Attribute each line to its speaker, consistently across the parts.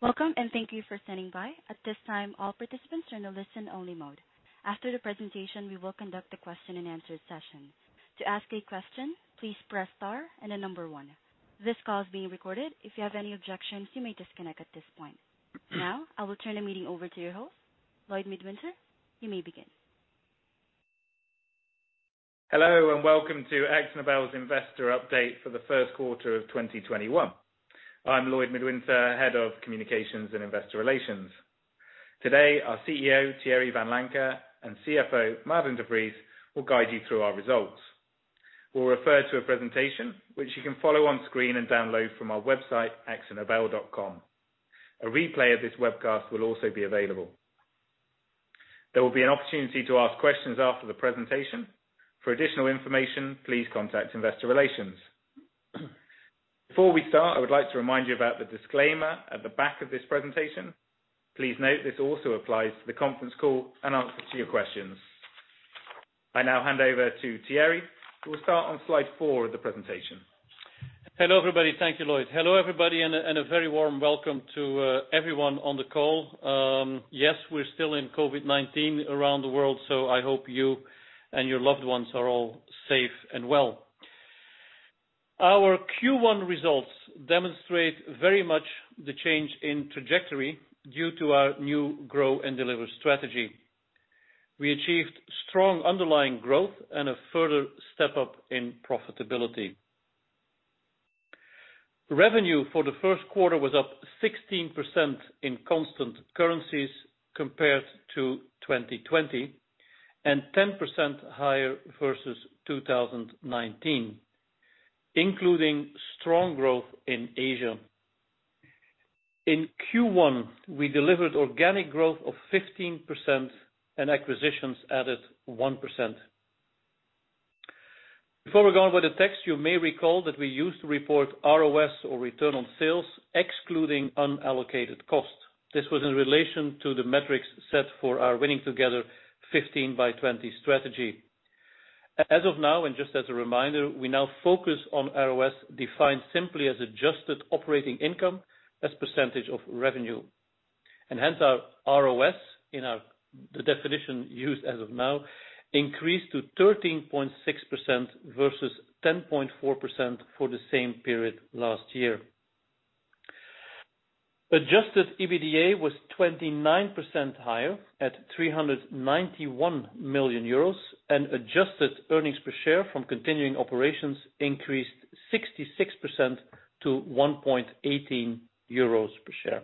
Speaker 1: Welcome, and thank you for standing by. At this time, all participants are in a listen-only mode. After the presentation, we will conduct a question and answer session. To ask a question, please press star and the number one. This call is being recorded. If you have any objections, you may disconnect at this point. Now, I will turn the meeting over to your host, Lloyd Midwinter. You may begin.
Speaker 2: Hello, welcome to Akzo Nobel's investor update for the first quarter of 2021. I'm Lloyd Midwinter, Head of Communications and Investor Relations. Today, our CEO, Thierry Vanlancker, and CFO, Maarten de Vries, will guide you through our results. We'll refer to a presentation which you can follow on screen and download from our website, akzonobel.com. A replay of this webcast will also be available. There will be an opportunity to ask questions after the presentation. For additional information, please contact investor relations. Before we start, I would like to remind you about the disclaimer at the back of this presentation. Please note this also applies to the conference call and answers to your questions. I now hand over to Thierry, who will start on slide four of the presentation.
Speaker 3: Hello, everybody. Thank you, Lloyd. Hello, everybody, and a very warm welcome to everyone on the call. We're still in COVID-19 around the world, so I hope you and your loved ones are all safe and well. Our Q1 results demonstrate very much the change in trajectory due to our new Grow & Deliver strategy. We achieved strong underlying growth and a further step up in profitability. Revenue for the first quarter was up 16% in constant currencies compared to 2020, and 10% higher versus 2019, including strong growth in Asia. In Q1, we delivered organic growth of 15% and acquisitions added 1%. Before we go on with the text, you may recall that we used to report ROS, or return on sales, excluding unallocated costs. This was in relation to the metrics set for our Winning together: 15 by 20 strategy. As of now, and just as a reminder, we now focus on ROS defined simply as adjusted operating income as percentage of revenue. Hence our ROS in the definition used as of now increased to 13.6% versus 10.4% for the same period last year. Adjusted EBITDA was 29% higher at 391 million euros, and adjusted earnings per share from continuing operations increased 66% to 1.18 euros per share.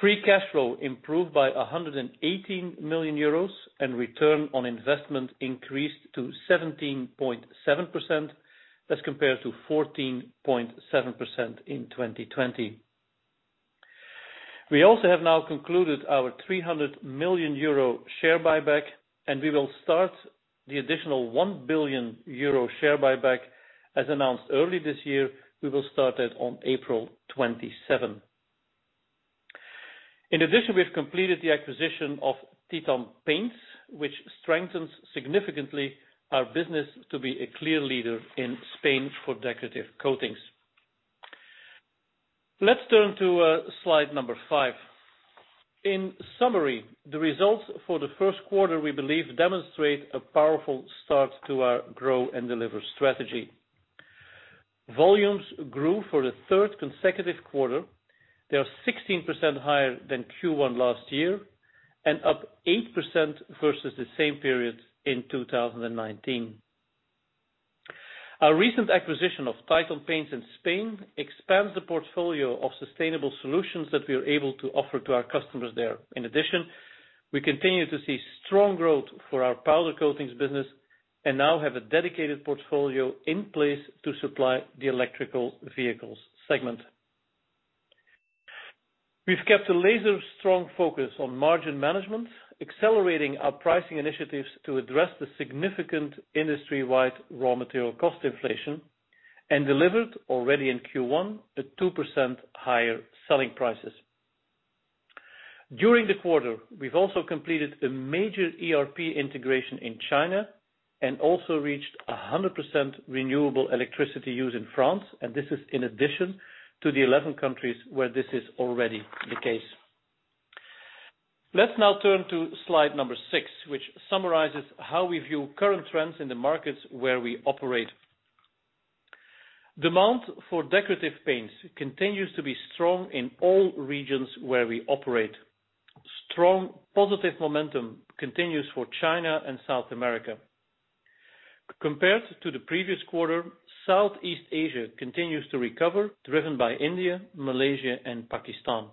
Speaker 3: Free cash flow improved by 118 million euros, and return on investment increased to 17.7%, as compared to 14.7% in 2020. We also have now concluded our 300 million euro share buyback, and we will start the additional 1 billion euro share buyback as announced early this year. We will start it on April 27. In addition, we have completed the acquisition of Titán Paints, which strengthens significantly our business to be a clear leader in Spain for Decorative Coatings. Let's turn to slide number five. In summary, the results for the first quarter, we believe, demonstrate a powerful start to our Grow & Deliver strategy. Volumes grew for the third consecutive quarter. They are 16% higher than Q1 last year and up 8% versus the same period in 2019. Our recent acquisition of Titan Paints in Spain expands the portfolio of sustainable solutions that we are able to offer to our customers there. In addition, we continue to see strong growth for our powder coatings business and now have a dedicated portfolio in place to supply the electrical vehicles segment. We've kept a laser strong focus on margin management, accelerating our pricing initiatives to address the significant industry-wide raw material cost inflation, and delivered already in Q1, a 2% higher selling prices. During the quarter, we've also completed a major ERP integration in China and also reached 100% renewable electricity use in France, and this is in addition to the 11 countries where this is already the case. Let's now turn to slide number six, which summarizes how we view current trends in the markets where we operate. Demand for Decorative Paints continues to be strong in all regions where we operate. Strong positive momentum continues for China and South America. Compared to the previous quarter, Southeast Asia continues to recover, driven by India, Malaysia, and Pakistan.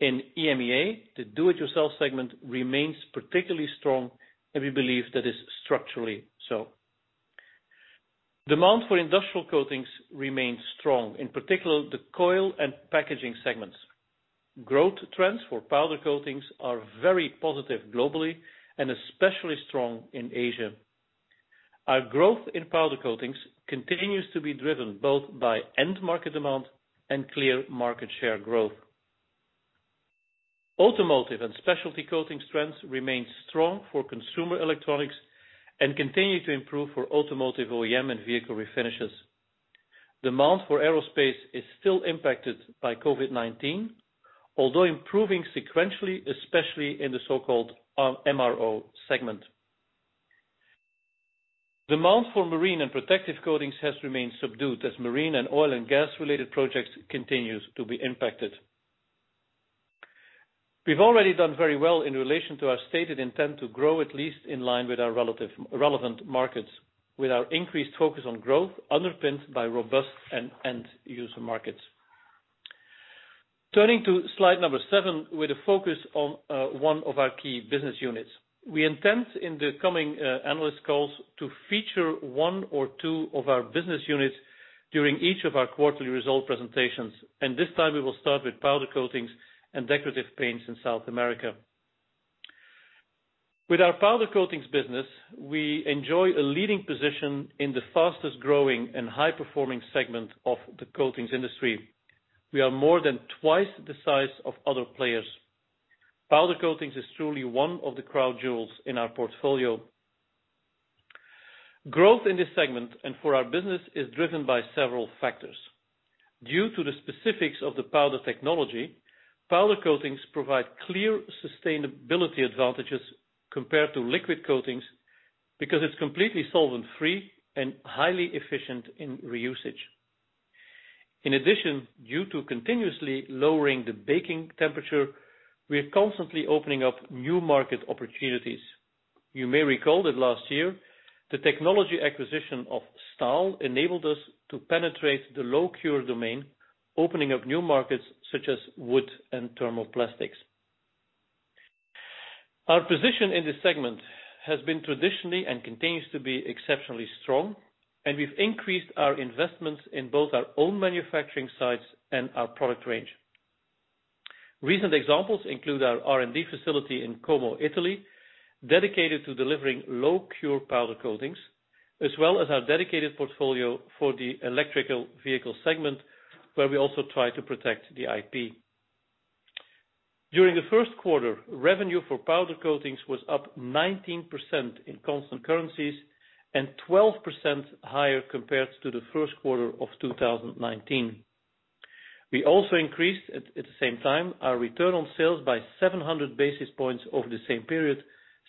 Speaker 3: In EMEA, the do-it-yourself segment remains particularly strong, and we believe that is structurally so. Demand for industrial coatings remains strong, in particular the coil and packaging segments. Growth trends for powder coatings are very positive globally and especially strong in Asia. Our growth in powder coatings continues to be driven both by end market demand and clear market share growth. Automotive and specialty coating strengths remain strong for consumer electronics and continue to improve for automotive OEM and vehicle refinishes. Demand for aerospace is still impacted by COVID-19, although improving sequentially, especially in the so-called MRO segment. Demand for marine and protective coatings has remained subdued as marine and oil and gas-related projects continues to be impacted. We've already done very well in relation to our stated intent to grow at least in line with our relevant markets, with our increased focus on growth underpinned by robust end user markets. Turning to slide number seven with a focus on one of our key business units. We intend in the coming analyst calls to feature one or two of our business units during each of our quarterly result presentations. This time we will start with powder coatings and Decorative Paints in South America. With our powder coatings business, we enjoy a leading position in the fastest-growing and high-performing segment of the coatings industry. We are more than 2x the size of other players. Powder coatings is truly one of the crown jewels in our portfolio. Growth in this segment and for our business is driven by several factors. Due to the specifics of the powder technology, powder coatings provide clear sustainability advantages compared to liquid coatings, because it's completely solvent-free and highly efficient in reusage. In addition, due to continuously lowering the baking temperature, we are constantly opening up new market opportunities. You may recall that last year, the technology acquisition of Stahl enabled us to penetrate the low cure domain, opening up new markets such as wood and thermoplastics. Our position in this segment has been traditionally and continues to be exceptionally strong. We've increased our investments in both our own manufacturing sites and our product range. Recent examples include our R&D facility in Como, Italy, dedicated to delivering low cure powder coatings, as well as our dedicated portfolio for the electrical vehicle segment, where we also try to protect the IP. During the first quarter, revenue for powder coatings was up 19% in constant currencies, 12% higher compared to the first quarter of 2019. We also increased, at the same time, our return on sales by 700 basis points over the same period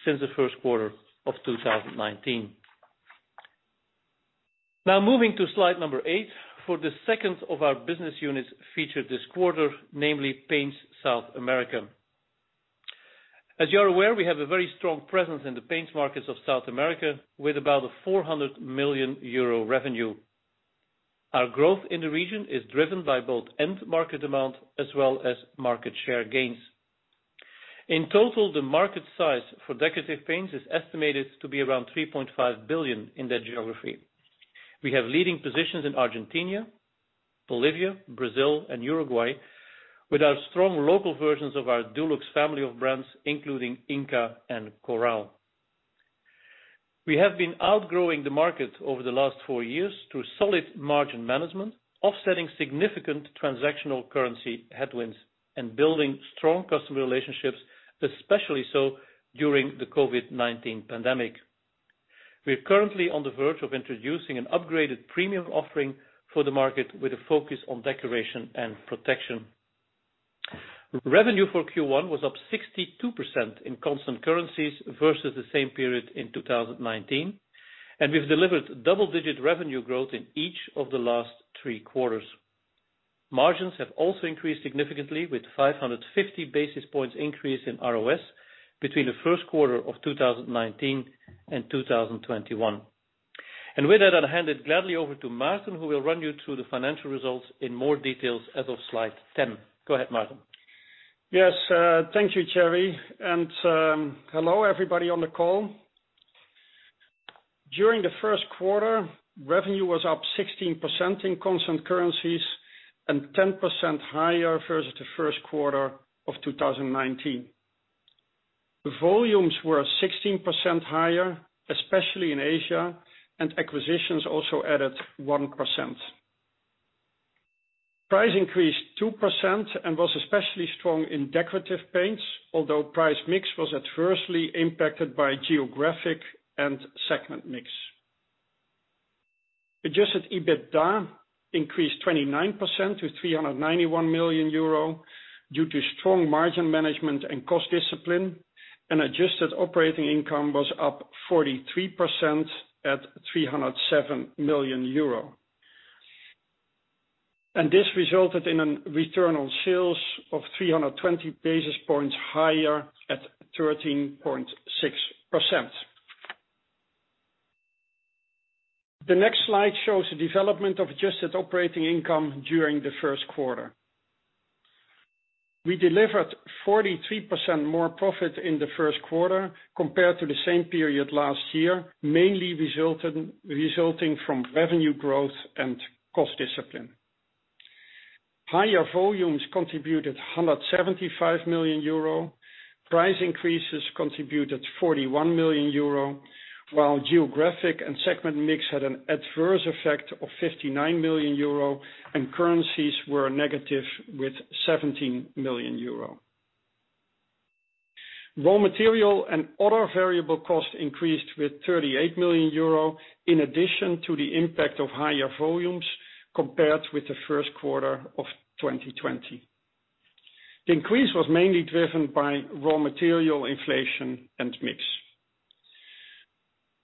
Speaker 3: since the first quarter of 2019. Now moving to slide number eight for the second of our business units featured this quarter, namely Paints South America. As you are aware, we have a very strong presence in the paints markets of South America with about a 400 million euro revenue. Our growth in the region is driven by both end market demand as well as market share gains. In total, the market size for Decorative Paints is estimated to be around 3.5 billion in that geography. We have leading positions in Argentina, Bolivia, Brazil and Uruguay with our strong local versions of our Dulux family of brands, including Inca and Coral. We have been outgrowing the market over the last four years through solid margin management, offsetting significant transactional currency headwinds and building strong customer relationships, especially so during the COVID-19 pandemic. We are currently on the verge of introducing an upgraded premium offering for the market with a focus on decoration and protection. Revenue for Q1 was up 62% in constant currencies versus the same period in 2019, and we've delivered double-digit revenue growth in each of the last three quarters. Margins have also increased significantly with 550 basis points increase in ROS between the first quarter of 2019 and 2021. With that, I'll hand it gladly over to Maarten, who will run you through the financial results in more details as of slide 10. Go ahead, Maarten.
Speaker 4: Yes. Thank you, Thierry. Hello, everybody on the call. During the first quarter, revenue was up 16% in constant currencies and 10% higher versus the first quarter of 2019. Volumes were 16% higher, especially in Asia, and acquisitions also added one percent. Price increased two percent and was especially strong in Decorative Paints, although price mix was adversely impacted by geographic and segment mix. Adjusted EBITDA increased 29% to 391 million euro due to strong margin management and cost discipline. Adjusted operating income was up 43% at EUR 307 million. This resulted in a return on sales of 320 basis points higher at 13.6%. The next slide shows the development of adjusted operating income during the first quarter. We delivered 43% more profit in the first quarter compared to the same period last year, mainly resulting from revenue growth and cost discipline. Higher volumes contributed 175 million euro. Price increases contributed 41 million euro, while geographic and segment mix had an adverse effect of 59 million euro. Currencies were negative with 17 million euro. Raw material and other variable costs increased with 38 million euro in addition to the impact of higher volumes compared with the first quarter of 2020. The increase was mainly driven by raw material inflation and mix.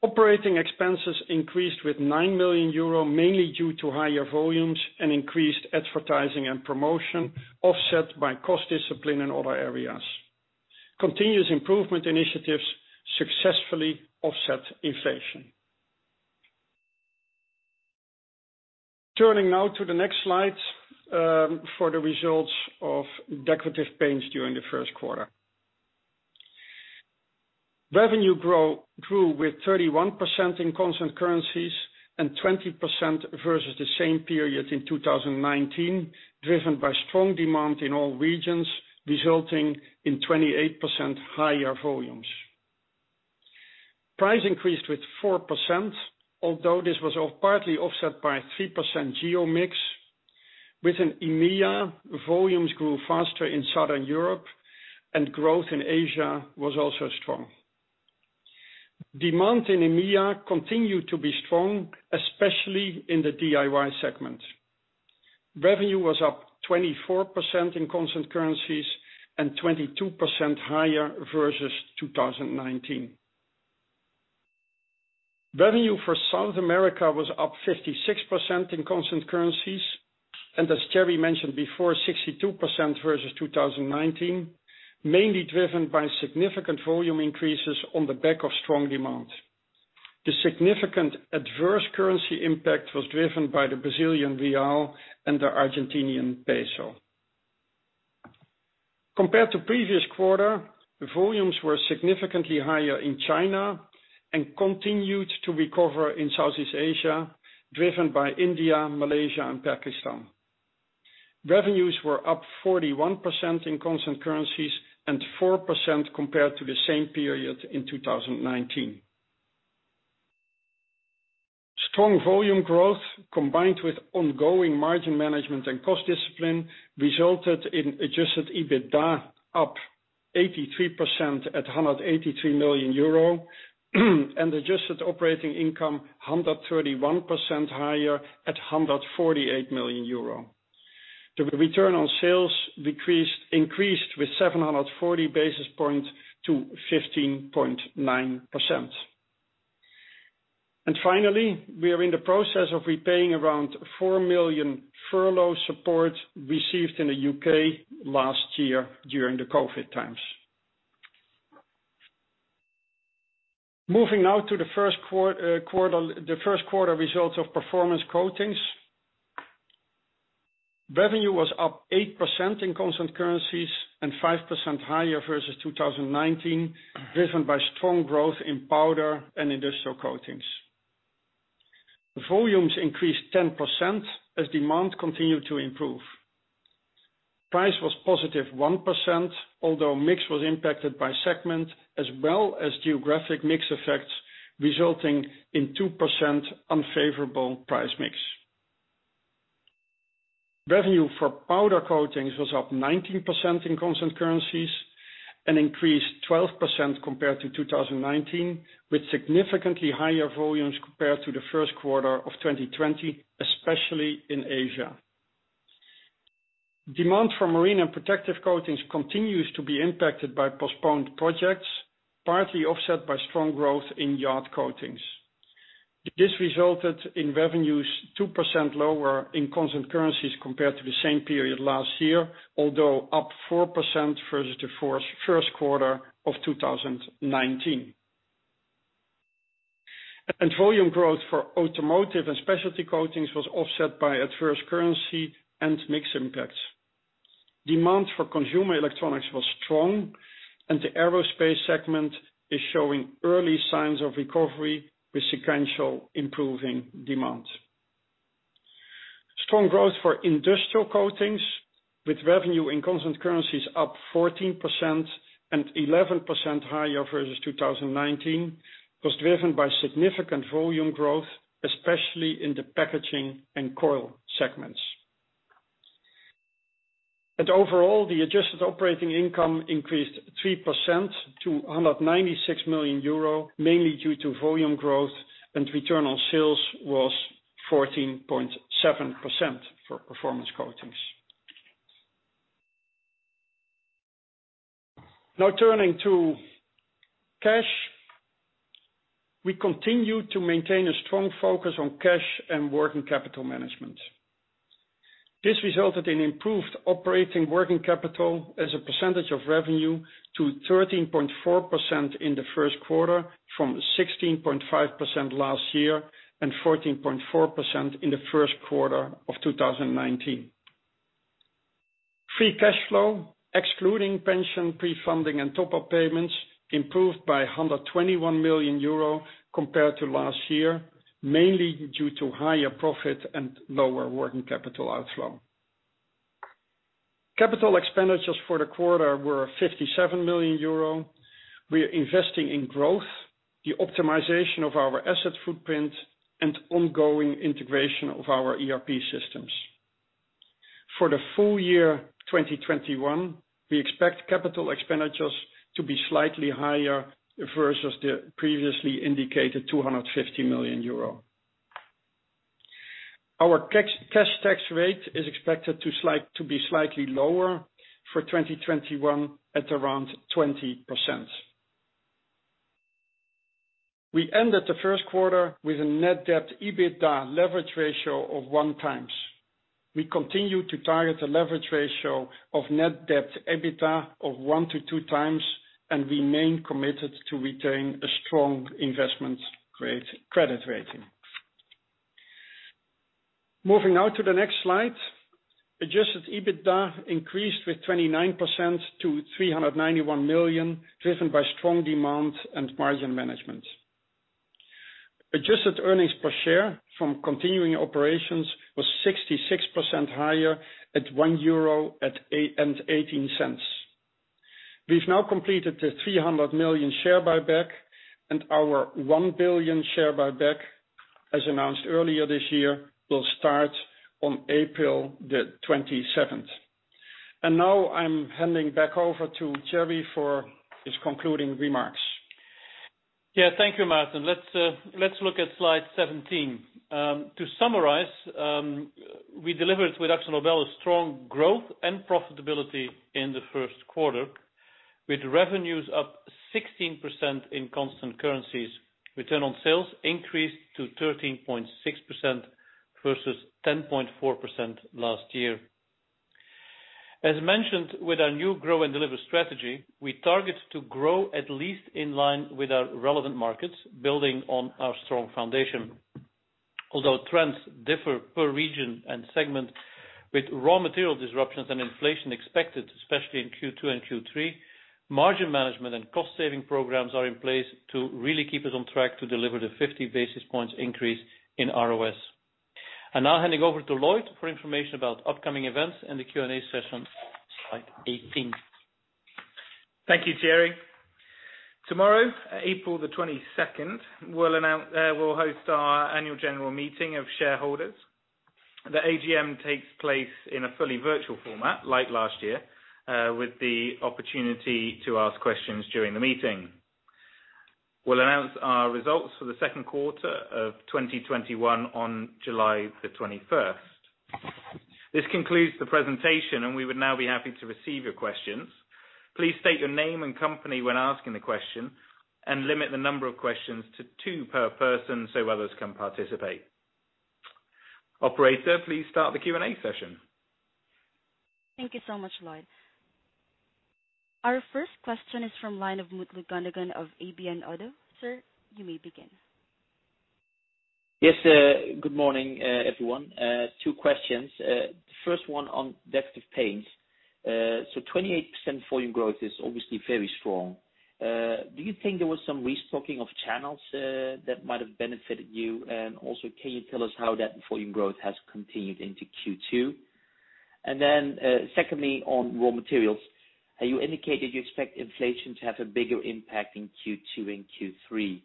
Speaker 4: Operating expenses increased with 9 million euro, mainly due to higher volumes and increased advertising and promotion, offset by cost discipline in other areas. Continuous improvement initiatives successfully offset inflation. Turning now to the next slide for the results of Decorative Paints during the first quarter. Revenue grew with 31% in constant currencies and 20% versus the same period in 2019, driven by strong demand in all regions, resulting in 28% higher volumes. Price increased with 4%, although this was partly offset by 3% geo mix. Within EMEA, volumes grew faster in Southern Europe and growth in Asia was also strong. Demand in EMEA continued to be strong, especially in the DIY segment. Revenue was up 24% in constant currencies and 22% higher versus 2019. Revenue for South America was up 56% in constant currencies, and as Thierry mentioned before, 62% versus 2019, mainly driven by significant volume increases on the back of strong demand. The significant adverse currency impact was driven by the Brazilian real and the Argentinian peso. Compared to previous quarter, volumes were significantly higher in China and continued to recover in Southeast Asia, driven by India, Malaysia and Pakistan. Revenues were up 41% in constant currencies and 4% compared to the same period in 2019. Strong volume growth, combined with ongoing margin management and cost discipline, resulted in adjusted EBITDA up 83% at 183 million euro and adjusted operating income 131% higher at 148 million euro. The return on sales increased with 740 basis points to 15.9%. Finally, we are in the process of repaying around 4 million furlough support received in the U.K. last year during the COVID times. Moving now to the first quarter results of Performance Coatings. Revenue was up 8% in constant currencies and 5% higher versus 2019, driven by strong growth in powder and industrial coatings. Volumes increased 10% as demand continued to improve. Price was positive 1%, although mix was impacted by segment as well as geographic mix effects, resulting in 2% unfavorable price mix. Revenue for powder coatings was up 19% in constant currencies and increased 12% compared to 2019, with significantly higher volumes compared to the first quarter of 2020, especially in Asia. Demand for marine and protective coatings continues to be impacted by postponed projects, partly offset by strong growth in yacht coatings. This resulted in revenues 2% lower in constant currencies compared to the same period last year, although up 4% versus the first quarter of 2019. Volume growth for automotive and specialty coatings was offset by adverse currency and mix impacts. Demand for consumer electronics was strong, and the aerospace segment is showing early signs of recovery with sequential improving demand. Strong growth for industrial coatings with revenue in constant currencies up 14% and 11% higher versus 2019, was driven by significant volume growth, especially in the packaging and coil segments. Overall, the adjusted operating income increased 3% to 196 million euro, mainly due to volume growth, and return on sales was 14.7% for Performance Coatings. Turning to cash. We continue to maintain a strong focus on cash and working capital management. This resulted in improved operating working capital as a percentage of revenue to 13.4% in the first quarter from 16.5% last year and 14.4% in the first quarter of 2019. Free cash flow, excluding pension pre-funding and top-up payments, improved by 121 million euro compared to last year, mainly due to higher profit and lower working capital outflow. Capital expenditures for the quarter were 57 million euro. We are investing in growth, the optimization of our asset footprint and ongoing integration of our ERP systems. For the full year 2021, we expect capital expenditures to be slightly higher versus the previously indicated 250 million euro. Our cash tax rate is expected to be slightly lower for 2021 at around 20%. We ended the first quarter with a net debt EBITDA leverage ratio of 1x. We continue to target a leverage ratio of net debt EBITDA of 1:2x and remain committed to retain a strong investment credit rating. Moving now to the next slide. Adjusted EBITDA increased with 29% to 391 million, driven by strong demand and margin management. Adjusted earnings per share from continuing operations was 66% higher at 1.18 euro. We've now completed the 300 million share buyback and our 1 billion share buyback, as announced earlier this year, will start on April 27th. Now I'm handing back over to Thierry for his concluding remarks.
Speaker 3: Yeah. Thank you, Maarten. Let's look at slide 17. To summarize, we delivered with Akzo Nobel a strong growth and profitability in the first quarter, with revenues up 16% in constant currencies. Return on sales increased to 13.6% versus 10.4% last year. As mentioned with our new Grow & Deliver strategy, we target to grow at least in line with our relevant markets, building on our strong foundation. Although trends differ per region and segment, with raw material disruptions and inflation expected, especially in Q2 and Q3, margin management and cost saving programs are in place to really keep us on track to deliver the 50 basis points increase in ROS. Now handing over to Lloyd for information about upcoming events and the Q&A session, slide 18.
Speaker 2: Thank you, Thierry. Tomorrow, April the 22nd, we'll host our annual general meeting of shareholders. The AGM takes place in a fully virtual format like last year, with the opportunity to ask questions during the meeting. We'll announce our results for the second quarter of 2021 on July the 21st. This concludes the presentation. We would now be happy to receive your questions. Please state your name and company when asking the question and limit the number of questions to two per person so others can participate. Operator, please start the Q&A session.
Speaker 1: Thank you so much, Lloyd. Our first question is from Line of Mutlu Gündoğan of ABN AMRO. Sir, you may begin.
Speaker 5: Yes. Good morning, everyone. Two questions. First one on Decorative Paints. 28% volume growth is obviously very strong. Do you think there was some restocking of channels that might have benefited you? Also, can you tell us how that volume growth has continued into Q2? Secondly, on raw materials. You indicated you expect inflation to have a bigger impact in Q2 and Q3.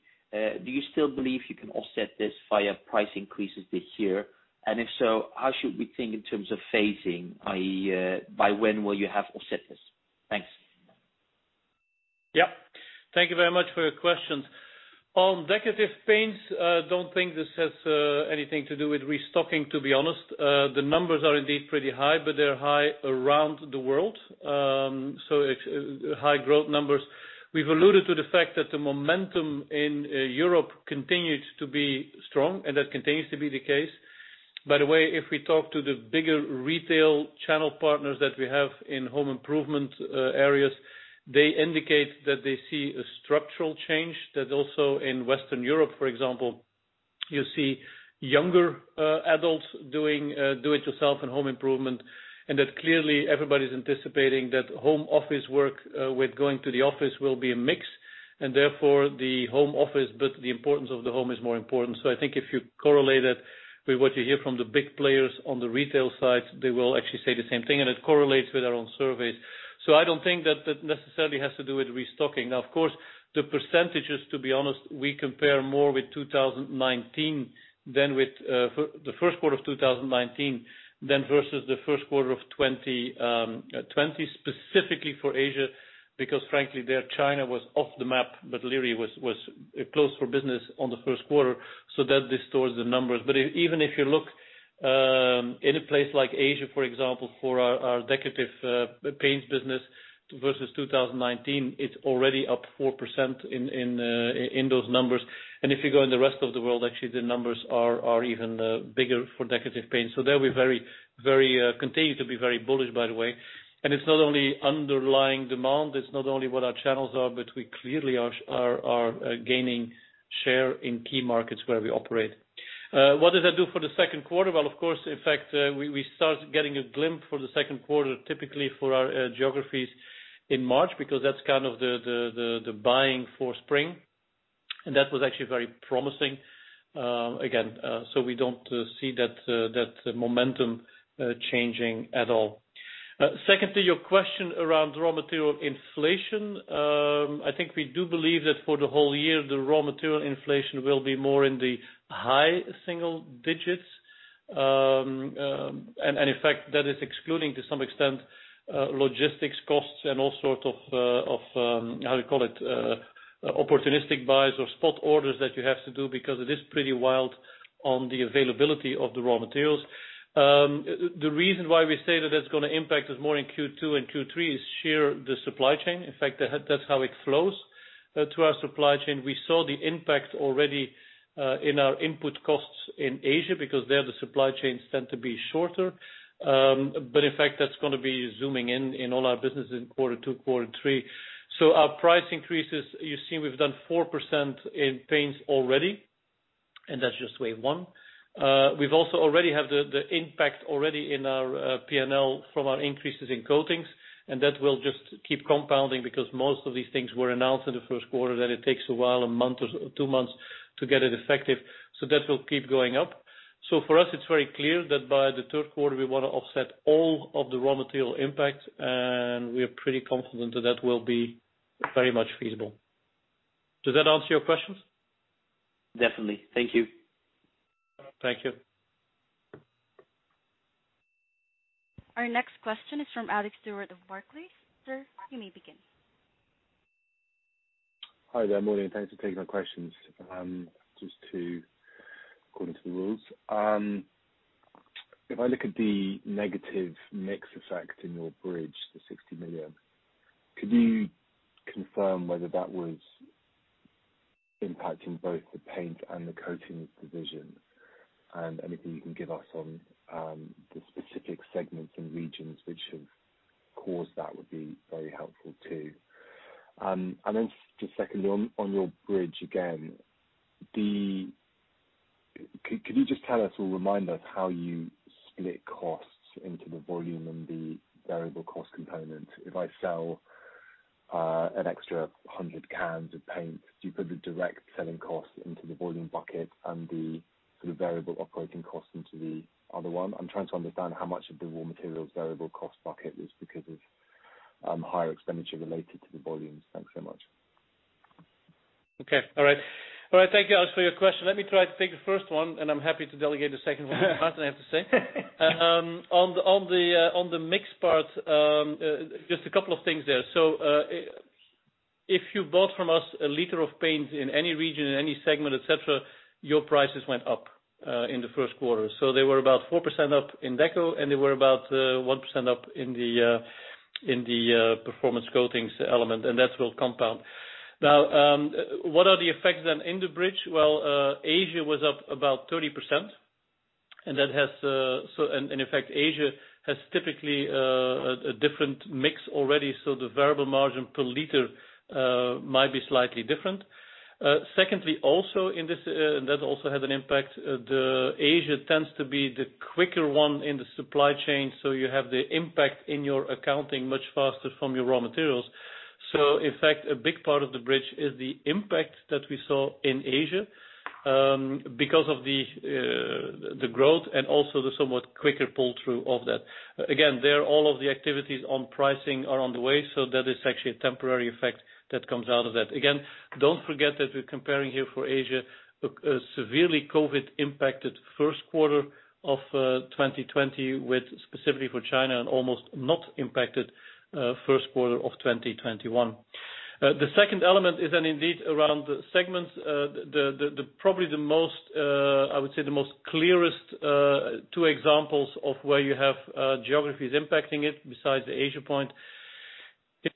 Speaker 5: Do you still believe you can offset this via price increases this year? If so, how should we think in terms of phasing, i.e, by when will you have offset this? Thanks.
Speaker 3: Yeah. Thank you very much for your questions. On Decorative Paints, don't think this has anything to do with restocking, to be honest. The numbers are indeed pretty high, but they're high around the world. High growth numbers. We've alluded to the fact that the momentum in Europe continued to be strong, and that continues to be the case. By the way, if we talk to the bigger retail channel partners that we have in home improvement areas, they indicate that they see a structural change that also in Western Europe, for example, you see younger adults doing do-it-yourself and home improvement, and that clearly everybody's anticipating that home office work with going to the office will be a mix, and therefore the home office, but the importance of the home is more important. I think if you correlate it with what you hear from the big players on the retail side, they will actually say the same thing, and it correlates with our own surveys. I don't think that that necessarily has to do with restocking. Now, of course, the percentages, to be honest, we compare more with the first quarter of 2019 than versus the first quarter of 2020, specifically for Asia, because frankly, there China was off the map, but literally was closed for business on the first quarter, so that distorts the numbers. Even if you look in a place like Asia, for example, for our Decorative Paints business versus 2019, it's already up 4% in those numbers. If you go in the rest of the world, actually, the numbers are even bigger for Decorative Paints. There we continue to be very bullish, by the way. It's not only underlying demand, it's not only what our channels are, but we clearly are gaining share in key markets where we operate. What does that do for the second quarter? Well, of course, in fact, we start getting a glimpse for the second quarter, typically for our geographies in March, because that's kind of the buying for spring. That was actually very promising. Again, we don't see that momentum changing at all. Second to your question around raw material inflation, I think we do believe that for the whole year, the raw material inflation will be more in the high single digits. In fact, that is excluding, to some extent, logistics costs and all sort of, how do you call it? Opportunistic buys or spot orders that you have to do because it is pretty wild on the availability of the raw materials. The reason why we say that it's going to impact us more in Q2 and Q3 is sheer the supply chain. That's how it flows through our supply chain. We saw the impact already in our input costs in Asia because there the supply chains tend to be shorter. That's going to be zooming in in all our businesses in quarter two, quarter three. Our price increases, you've seen we've done 4% in paints already, and that's just wave one. We've also already have the impact already in our P&L from our increases in coatings, that will just keep compounding because most of these things were announced in the first quarter that it takes a while, a month or two months to get it effective. That will keep going up. For us, it's very clear that by the third quarter, we want to offset all of the raw material impact, we are pretty confident that will be very much feasible. Does that answer your questions?
Speaker 5: Definitely. Thank you.
Speaker 3: Thank you.
Speaker 1: Our next question is from Alex Stewart of Barclays. Sir, you may begin.
Speaker 6: Hi there. Morning, thanks for taking my questions. Just to according to the rules. If I look at the negative mix effect in your bridge, the 60 million, could you confirm whether that was impacting both the Decorative Paints and the Performance Coatings division? Anything you can give us on the specific segments and regions which have caused that would be very helpful too. Then just secondly, on your bridge again, could you just tell us or remind us how you split costs into the volume and the variable cost component? If I sell an extra 100 cans of paint, do you put the direct selling cost into the volume bucket and the sort of variable operating cost into the other one? I'm trying to understand how much of the raw material's variable cost bucket is because of higher expenditure related to the volumes. Thanks so much.
Speaker 3: Okay. All right. Thank you, Alex, for your question. Let me try to take the first one, and I'm happy to delegate the second one to Maarten, I have to say. On the mix part, just a couple of things there. If you bought from us a liter of paint in any region, in any segment, et cetera, your prices went up in the first quarter. They were about 4% up in deco, and they were about 1% up in the Performance Coatings element, and that will compound. Now, what are the effects then in the bridge? Well, Asia was up about 30%. In fact, Asia has typically a different mix already, so the variable margin per liter might be slightly different. Secondly, also in this, and that also has an impact, Asia tends to be the quicker one in the supply chain, so you have the impact in your accounting much faster from your raw materials. In fact, a big part of the bridge is the impact that we saw in Asia because of the growth and also the somewhat quicker pull-through of that. Again, there all of the activities on pricing are on the way, so that is actually a temporary effect that comes out of that. Again, don't forget that we're comparing here for Asia a severely COVID-impacted first quarter of 2020 with specifically for China, an almost not impacted first quarter of 2021. The second element is then indeed around segments. Probably the most, I would say the most clearest two examples of where you have geographies impacting it besides the Asia point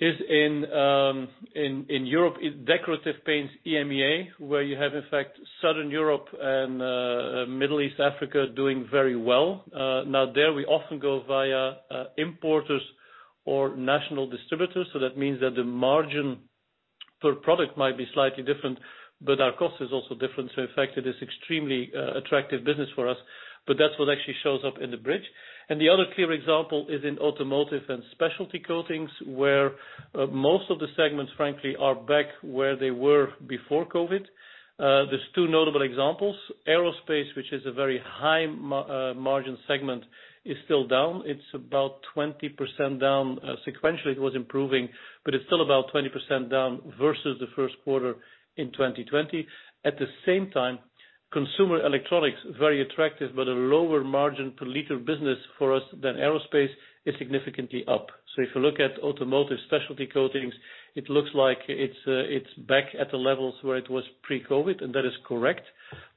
Speaker 3: is in Europe, Decorative Paints, EMEA, where you have, in fact, Southern Europe and Middle East, Africa doing very well. Now there we often go via importers or national distributors. That means that the margin per product might be slightly different, but our cost is also different. In fact, it is extremely attractive business for us, but that's what actually shows up in the bridge. The other clear example is in automotive and specialty coatings, where most of the segments, frankly, are back where they were before COVID. There's two notable examples. Aerospace, which is a very high margin segment, is still down. It's about 20% down sequentially. It was improving, but it's still about 20% down versus the first quarter in 2020. At the same time, consumer electronics, very attractive, but a lower margin per liter business for us than aerospace, is significantly up. If you look at automotive specialty coatings, it looks like it's back at the levels where it was pre-COVID-19, and that is correct.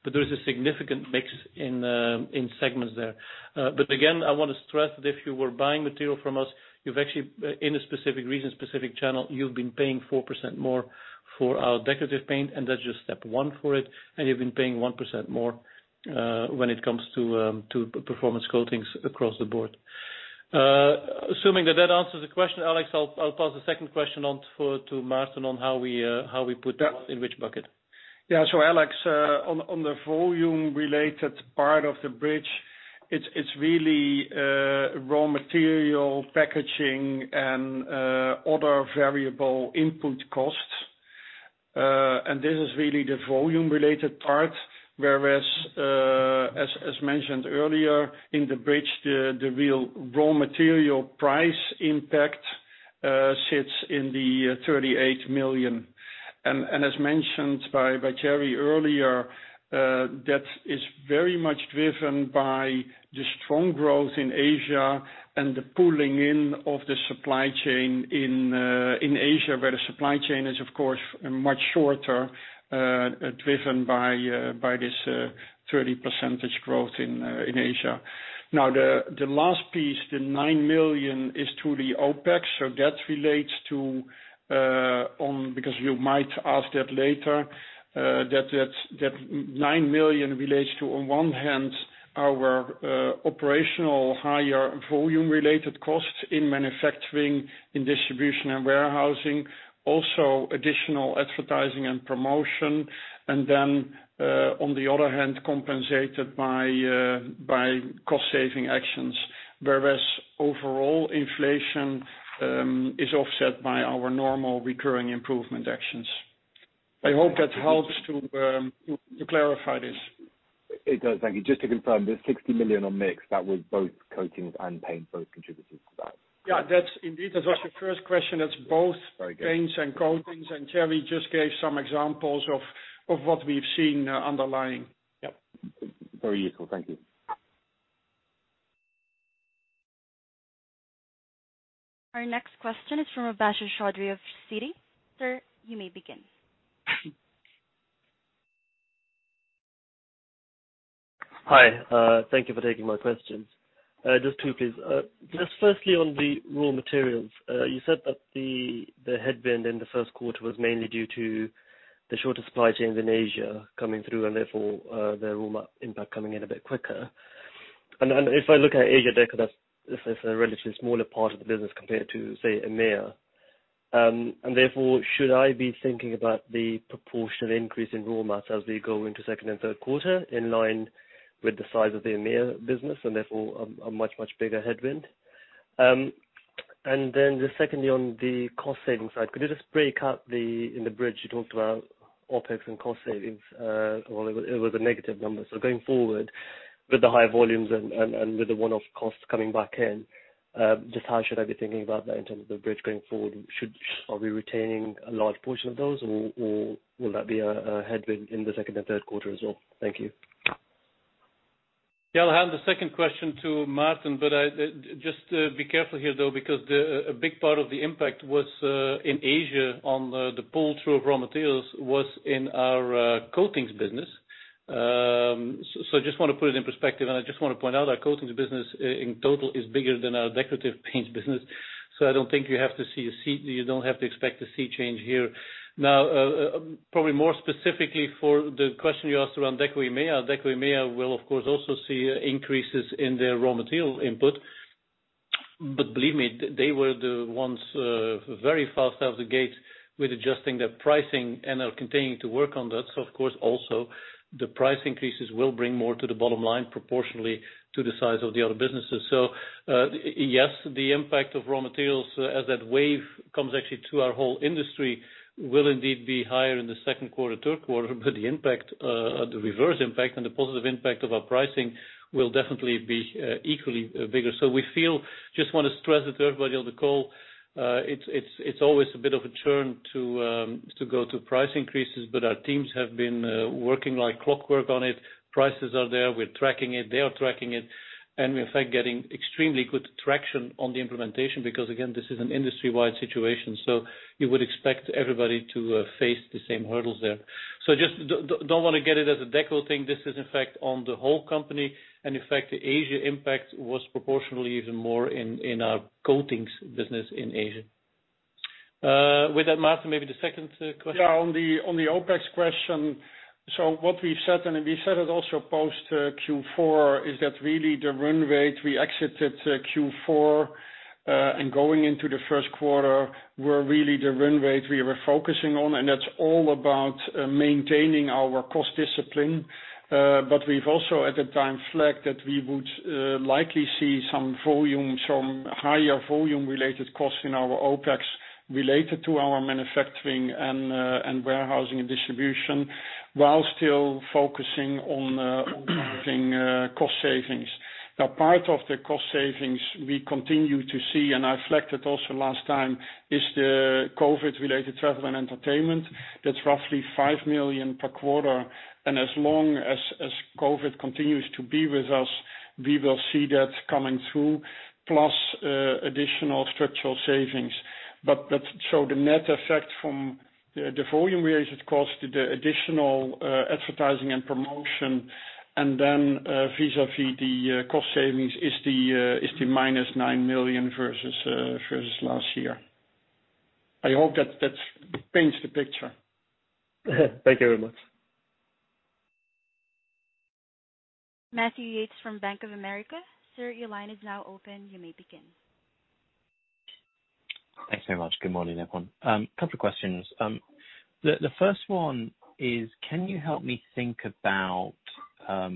Speaker 3: There is a significant mix in segments there. Again, I want to stress that if you were buying material from us, you've actually in a specific region, specific channel, you've been paying 4% more for our Decorative Paints, and that's just step one for it. You've been paying 1% more when it comes to Performance Coatings across the board. Assuming that that answers the question, Alex, I'll pass the second question on to Maarten on how we put that in which bucket.
Speaker 4: Alex, on the volume-related part of the bridge, it's really raw material, packaging, and other variable input costs. This is really the volume-related part, whereas, as mentioned earlier in the bridge, the real raw material price impact sits in the 38 million. As mentioned by Thierry earlier, that is very much driven by the strong growth in Asia and the pulling in of the supply chain in Asia, where the supply chain is, of course, much shorter, driven by this 30% growth in Asia. The last piece, the 9 million is through the OPEX. That relates to Because you might ask that later, that 9 million relates to, on one hand, our operational higher volume-related costs in manufacturing, in distribution and warehousing, also additional advertising and promotion. Then, on the other hand, compensated by cost-saving actions. Whereas overall inflation is offset by our normal recurring improvement actions. I hope that helps to clarify this.
Speaker 6: It does. Thank you. Just to confirm, the 60 million on mix, that was both coatings and paint both contributed to that?
Speaker 4: Yeah. That's indeed. That was your first question.
Speaker 6: Very good.
Speaker 4: paints and coatings, and Thierry just gave some examples of what we've seen underlying.
Speaker 6: Yep. Very useful. Thank you.
Speaker 1: Our next question is from Mubasher Chaudhry of Citi. Sir, you may begin.
Speaker 7: Hi. Thank you for taking my questions. Just two, please. Just firstly on the raw materials. You said that the headwind in the first quarter was mainly due to the shorter supply chains in Asia coming through and therefore, the raw material impact coming in a bit quicker. If I look at Asia Deco, that's a relatively smaller part of the business compared to, say, EMEA. Therefore, should I be thinking about the proportionate increase in raw mats as we go into second and third quarter, in line with the size of the EMEA business, and therefore a much, much bigger headwind? Then just secondly, on the cost savings side, could you just break out, in the bridge you talked about OpEx and cost savings. Well, it was a negative number. Going forward with the higher volumes and with the one-off costs coming back in, just how should I be thinking about that in terms of the bridge going forward? Are we retaining a large portion of those, or will that be a headwind in the second and third quarter as well? Thank you.
Speaker 3: I'll hand the second question to Maarten, but just be careful here, though, because a big part of the impact was in Asia on the pull through of raw materials was in our Performance Coatings business. Just want to put it in perspective, and I just want to point out our Performance Coatings business in total is bigger than our Decorative Paints business. I don't think you don't have to expect to see change here. Probably more specifically for the question you asked around Deco EMEA. Deco EMEA will of course, also see increases in their raw material input. Believe me, they were the ones very fast out of the gate with adjusting their pricing and are continuing to work on that. Of course, also the price increases will bring more to the bottom line proportionally to the size of the other businesses. Yes, the impact of raw materials as that wave comes actually to our whole industry will indeed be higher in the second quarter, third quarter. The reverse impact and the positive impact of our pricing will definitely be equally bigger. We feel, just want to stress it to everybody on the call. It's always a bit of a churn to go to price increases, but our teams have been working li ke clockwork on it. Prices are there. We're tracking it. They are tracking it. In fact, getting extremely good traction on the implementation because, again, this is an industry-wide situation, so you would expect everybody to face the same hurdles there. Just don't want to get it as a Deco thing. This is in fact on the whole company. In fact, the Asia impact was proportionally even more in our coatings business in Asia. With that, Maarten, maybe the second question.
Speaker 4: Yeah. On the OpEx question. What we've said, and we said it also post Q4, is that really the run rate we exited Q4, and going into the first quarter, were really the run rate we were focusing on, and that's all about maintaining our cost discipline. We've also at the time flagged that we would likely see some higher volume related costs in our OpEx related to our manufacturing and warehousing and distribution, while still focusing on driving cost savings. Now, part of the cost savings we continue to see, and I flagged it also last time, is the COVID related travel and entertainment. That's roughly 5 million per quarter. As long as COVID continues to be with us, we will see that coming through, plus additional structural savings. The net effect from the volume related cost to the additional advertising and promotion and then vis-à-vis the cost savings is the minus 9 million versus last year. I hope that paints the picture.
Speaker 7: Thank you very much.
Speaker 1: Matthew Yates from Bank of America.
Speaker 8: Thanks so much. Good morning, everyone. Couple of questions. The first one is, can you help me think about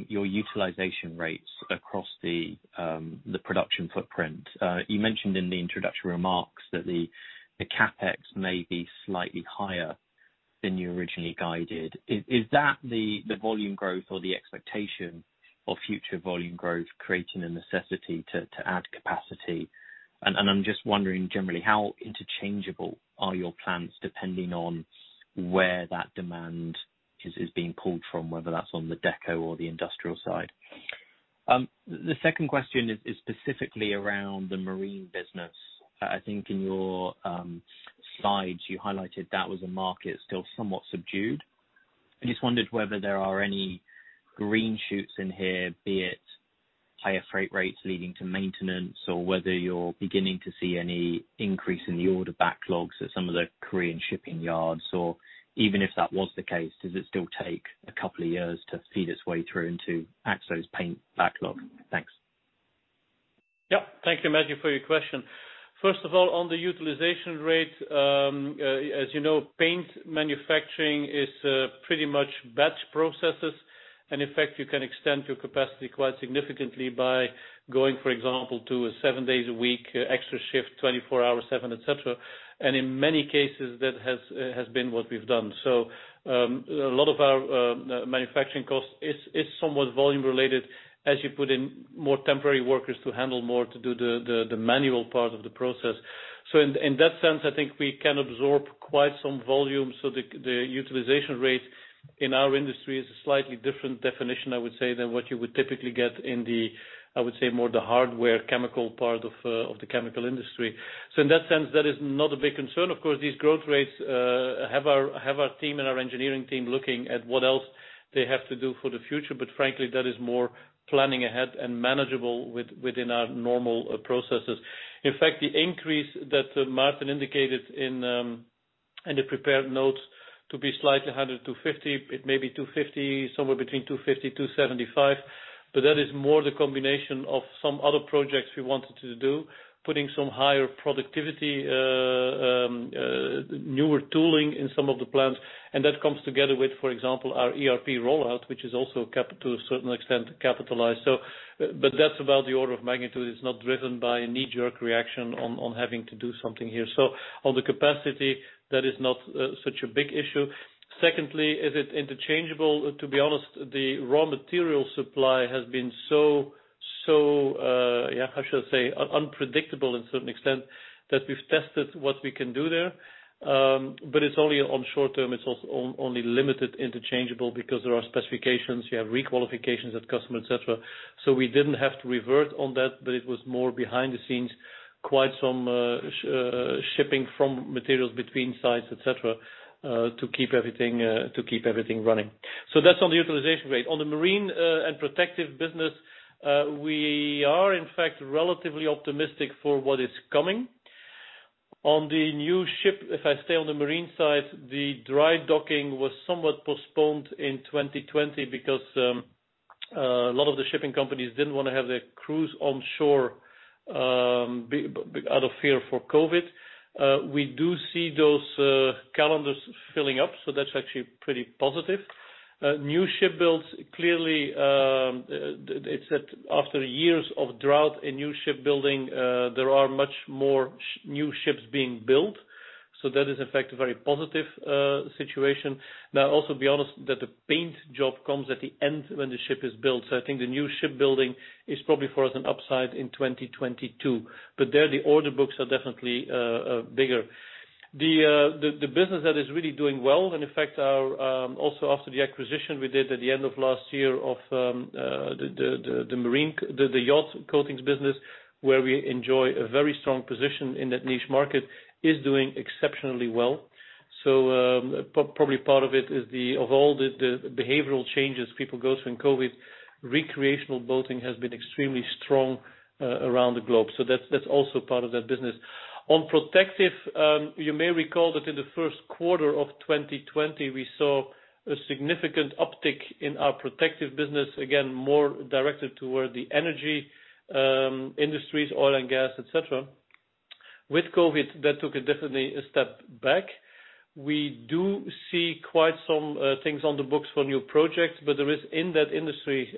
Speaker 8: your utilization rates across the production footprint. You mentioned in the introductory remarks that the CapEx may be slightly higher than you originally guided. Is that the volume growth or the expectation of future volume growth creating a necessity to add capacity? I'm just wondering, generally, how interchangeable are your plans depending on where that demand is being pulled from, whether that's on the Deco or the Industrial side? The second question is specifically around the Marine business. I think in your slides, you highlighted that was a market still somewhat subdued. I just wondered whether there are any green shoots in here, be it higher freight rates leading to maintenance, or whether you're beginning to see any increase in the order backlogs at some of the Korean shipping yards. Even if that was the case, does it still take a couple of years to feed its way through into Akzo's paint backlog? Thanks.
Speaker 3: Yeah. Thank you, Matthew, for your question. First of all, on the utilization rate, as you know, paint manufacturing is pretty much batch processes. In fact, you can extend your capacity quite significantly by going, for example, to a seven days a week extra shift, 24/7, et cetera. In many cases, that has been what we've done. A lot of our manufacturing cost is somewhat volume-related, as you put in more temporary workers to handle more, to do the manual part of the process. In that sense, I think we can absorb quite some volume. The utilization rate in our industry is a slightly different definition, I would say, than what you would typically get in the, I would say, more the hardware chemical part of the chemical industry. In that sense, that is not a big concern. Of course, these growth rates have our team and our engineering team looking at what else they have to do for the future. Frankly, that is more planning ahead and manageable within our normal processes. In fact, the increase that Maarten indicated in the prepared notes to be slightly higher than 250, it may be 250, somewhere between 250, 275. That is more the combination of some other projects we wanted to do, putting some higher productivity, newer tooling in some of the plants. That comes together with, for example, our ERP rollout, which is also, to a certain extent, capitalized. That's about the order of magnitude. It's not driven by a knee-jerk reaction on having to do something here. On the capacity, that is not such a big issue. Secondly, is it interchangeable? To be honest, the raw material supply has been so, how should I say? Unpredictable in certain extent that we've tested what we can do there. It's only on short-term, it's only limited interchangeable because there are specifications, you have re-qualifications of customer, et cetera. We didn't have to revert on that, but it was more behind the scenes, quite some shipping from materials between sites, et cetera, to keep everything running. That's on the utilization rate. On the marine and protective business, we are, in fact, relatively optimistic for what is coming. On the new ship, if I stay on the marine side, the dry docking was somewhat postponed in 2020 because a lot of the shipping companies didn't want to have their crews onshore out of fear for COVID-19. We do see those calendars filling up, so that's actually pretty positive. New ship builds, clearly, it's that after years of drought in new shipbuilding, there are much more new ships being built. That is, in fact, a very positive situation. Also be honest that the paint job comes at the end when the ship is built. I think the new shipbuilding is probably for us an upside in 2022. There, the order books are definitely bigger. The business that is really doing well and, in fact, also after the acquisition we did at the end of last year of the yacht coatings business, where we enjoy a very strong position in that niche market, is doing exceptionally well. Probably part of it is of all the behavioral changes people go through in COVID-19, recreational boating has been extremely strong around the globe. That's also part of that business. On protective, you may recall that in the first quarter of 2020, we saw a significant uptick in our protective business. More directed toward the energy industries, oil and gas, et cetera. With COVID, that took definitely a step back. We do see quite some things on the books for new projects, there is, in that industry,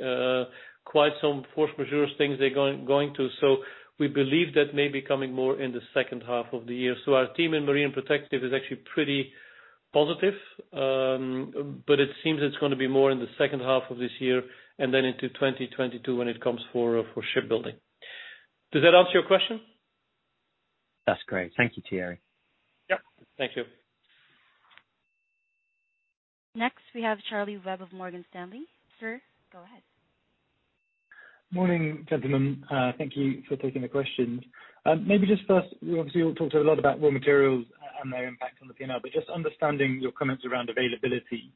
Speaker 3: quite some force majeure things they're going through. We believe that may be coming more in the second half of the year. Our team in marine protective is actually pretty positive. It seems it's going to be more in the second half of this year and then into 2022 when it comes for ship building. Does that answer your question?
Speaker 8: That's great. Thank you, Thierry.
Speaker 3: Yep. Thank you.
Speaker 1: Next, we have Charlie Webb of Morgan Stanley. Sir, go ahead.
Speaker 9: Morning, gentlemen. Thank you for taking the questions. Maybe just first, obviously, you all talked a lot about raw materials and their impact on the P&L, but just understanding your comments around availability.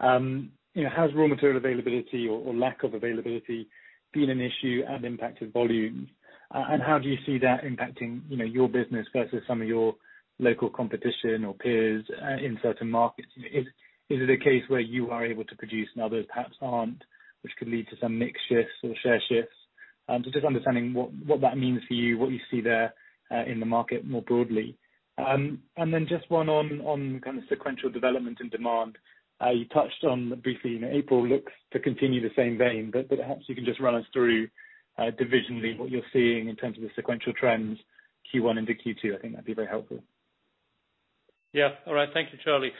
Speaker 9: Has raw material availability or lack of availability been an issue and impacted volumes? How do you see that impacting your business versus some of your local competition or peers in certain markets? Is it a case where you are able to produce and others perhaps aren't, which could lead to some mix shifts or share shifts? Just understanding what that means for you, what you see there in the market more broadly. Then just one on sequential development and demand. You touched on briefly, April looks to continue the same vein, but perhaps you can just run us through divisionally what you're seeing in terms of the sequential trends, Q1 into Q2. I think that'd be very helpful.
Speaker 3: Yeah. All right. Thank you, Charlie.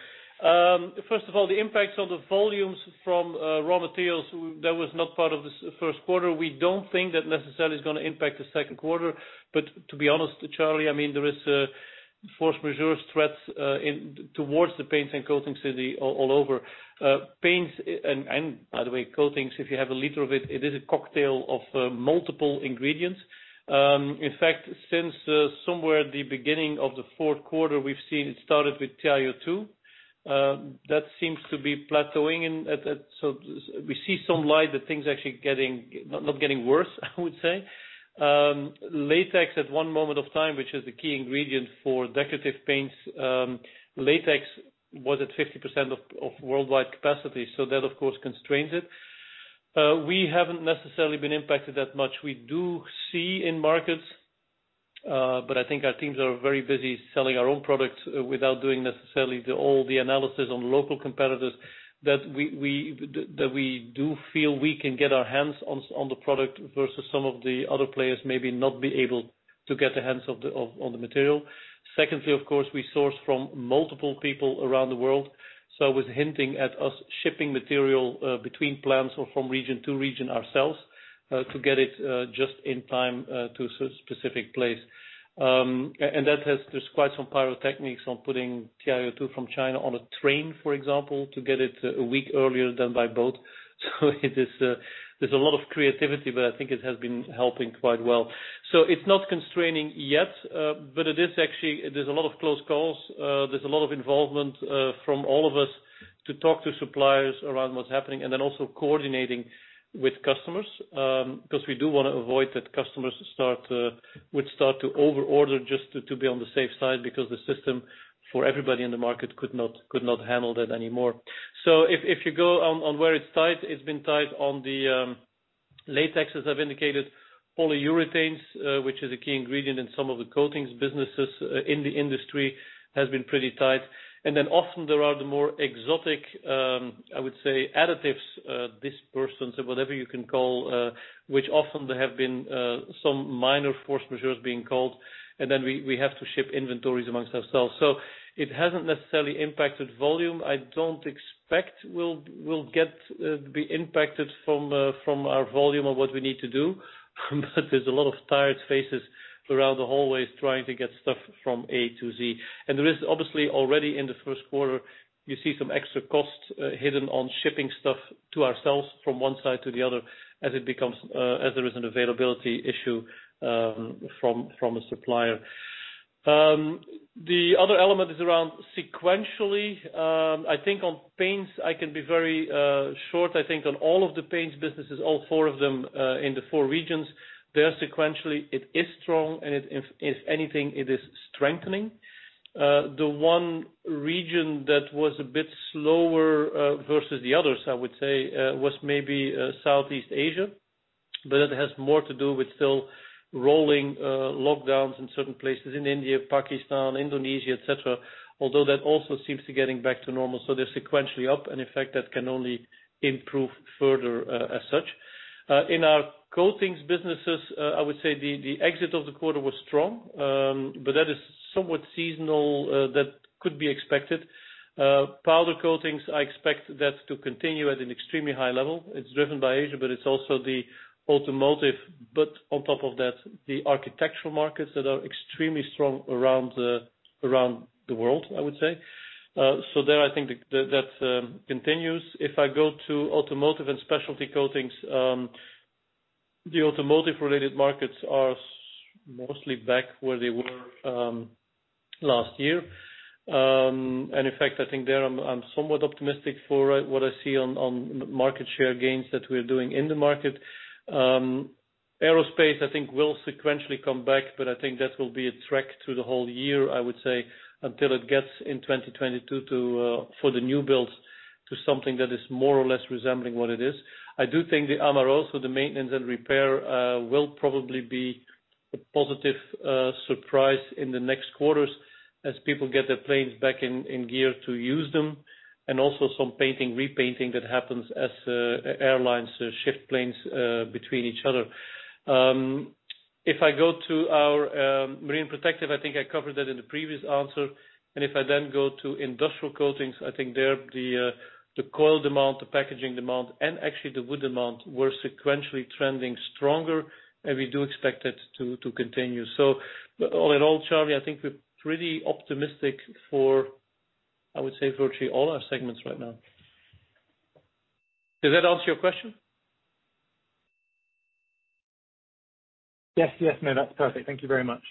Speaker 3: First of all, the impacts on the volumes from raw materials, that was not part of this first quarter. We don't think that necessarily is going to impact the second quarter. To be honest, Charlie, there is a force majeure threat towards the paints and coatings all over. Paints, by the way, coatings, if you have a liter of it is a cocktail of multiple ingredients. In fact, since somewhere at the beginning of the fourth quarter, we've seen it started with TiO2. That seems to be plateauing, we see some light that things actually not getting worse, I would say. Latex at one moment of time, which is the key ingredient for Decorative Paints, latex was at 50% of worldwide capacity, that, of course, constrains it. We haven't necessarily been impacted that much. We do see in markets, but I think our teams are very busy selling our own products without doing necessarily all the analysis on local competitors, that we do feel we can get our hands on the product versus some of the other players maybe not be able to get their hands on the material. Secondly, of course, we source from multiple people around the world. I was hinting at us shipping material between plants or from region to region ourselves, to get it just in time to a specific place. There's quite some pyrotechnics on putting TiO2 from China on a train, for example, to get it one week earlier than by boat. There's a lot of creativity, but I think it has been helping quite well. It's not constraining yet, but there's a lot of close calls. There's a lot of involvement from all of us to talk to suppliers around what's happening and then also coordinating with customers. We do want to avoid that customers would start to over-order just to be on the safe side because the system for everybody in the market could not handle that anymore. If you go on where it's tight, it's been tight on the latex, as I've indicated. Polyurethanes, which is a key ingredient in some of the coatings businesses in the industry, has been pretty tight. Often there are the more exotic, I would say additives, dispersants, or whatever you can call, which often there have been some minor force majeures being called, and then we have to ship inventories amongst ourselves. It hasn't necessarily impacted volume. I don't expect we'll be impacted from our volume of what we need to do. There's a lot of tired faces around the hallways trying to get stuff from A to Z. There is obviously already in the first quarter, you see some extra costs hidden on shipping stuff to ourselves from one side to the other as there is an availability issue from a supplier. The other element is around sequentially. I think on paints, I can be very short. I think on all of the paints businesses, all four of them in the four regions, they're sequentially, it is strong, and if anything, it is strengthening. The one region that was a bit slower versus the others, I would say, was maybe Southeast Asia, but it has more to do with still rolling lockdowns in certain places in India, Pakistan, Indonesia, et cetera. Although that also seems to getting back to normal. They're sequentially up, and in fact, that can only improve further as such. In our coatings businesses, I would say the exit of the quarter was strong, but that is somewhat seasonal. That could be expected. Powder coatings, I expect that to continue at an extremely high level. It's driven by Asia, but it's also the automotive. On top of that, the architectural markets that are extremely strong around the world, I would say. There, I think that continues. If I go to automotive and specialty coatings, the automotive-related markets are mostly back where they were last year. In fact, I think there I'm somewhat optimistic for what I see on market share gains that we're doing in the market. Aerospace, I think will sequentially come back, I think that will be a trek through the whole year, I would say, until it gets in 2022 for the new builds to something that is more or less resembling what it is. I do think the MRO, so the maintenance and repair, will probably be a positive surprise in the next quarters as people get their planes back in gear to use them. Also some painting, repainting that happens as airlines shift planes between each other. If I go to our marine protective, I think I covered that in the previous answer. If I then go to industrial coatings, I think there the coil demand, the packaging demand, and actually the wood demand, were sequentially trending stronger, and we do expect that to continue. All in all, Charlie, I think we're pretty optimistic for, I would say, virtually all our segments right now. Does that answer your question?
Speaker 9: Yes. No, that's perfect. Thank you very much.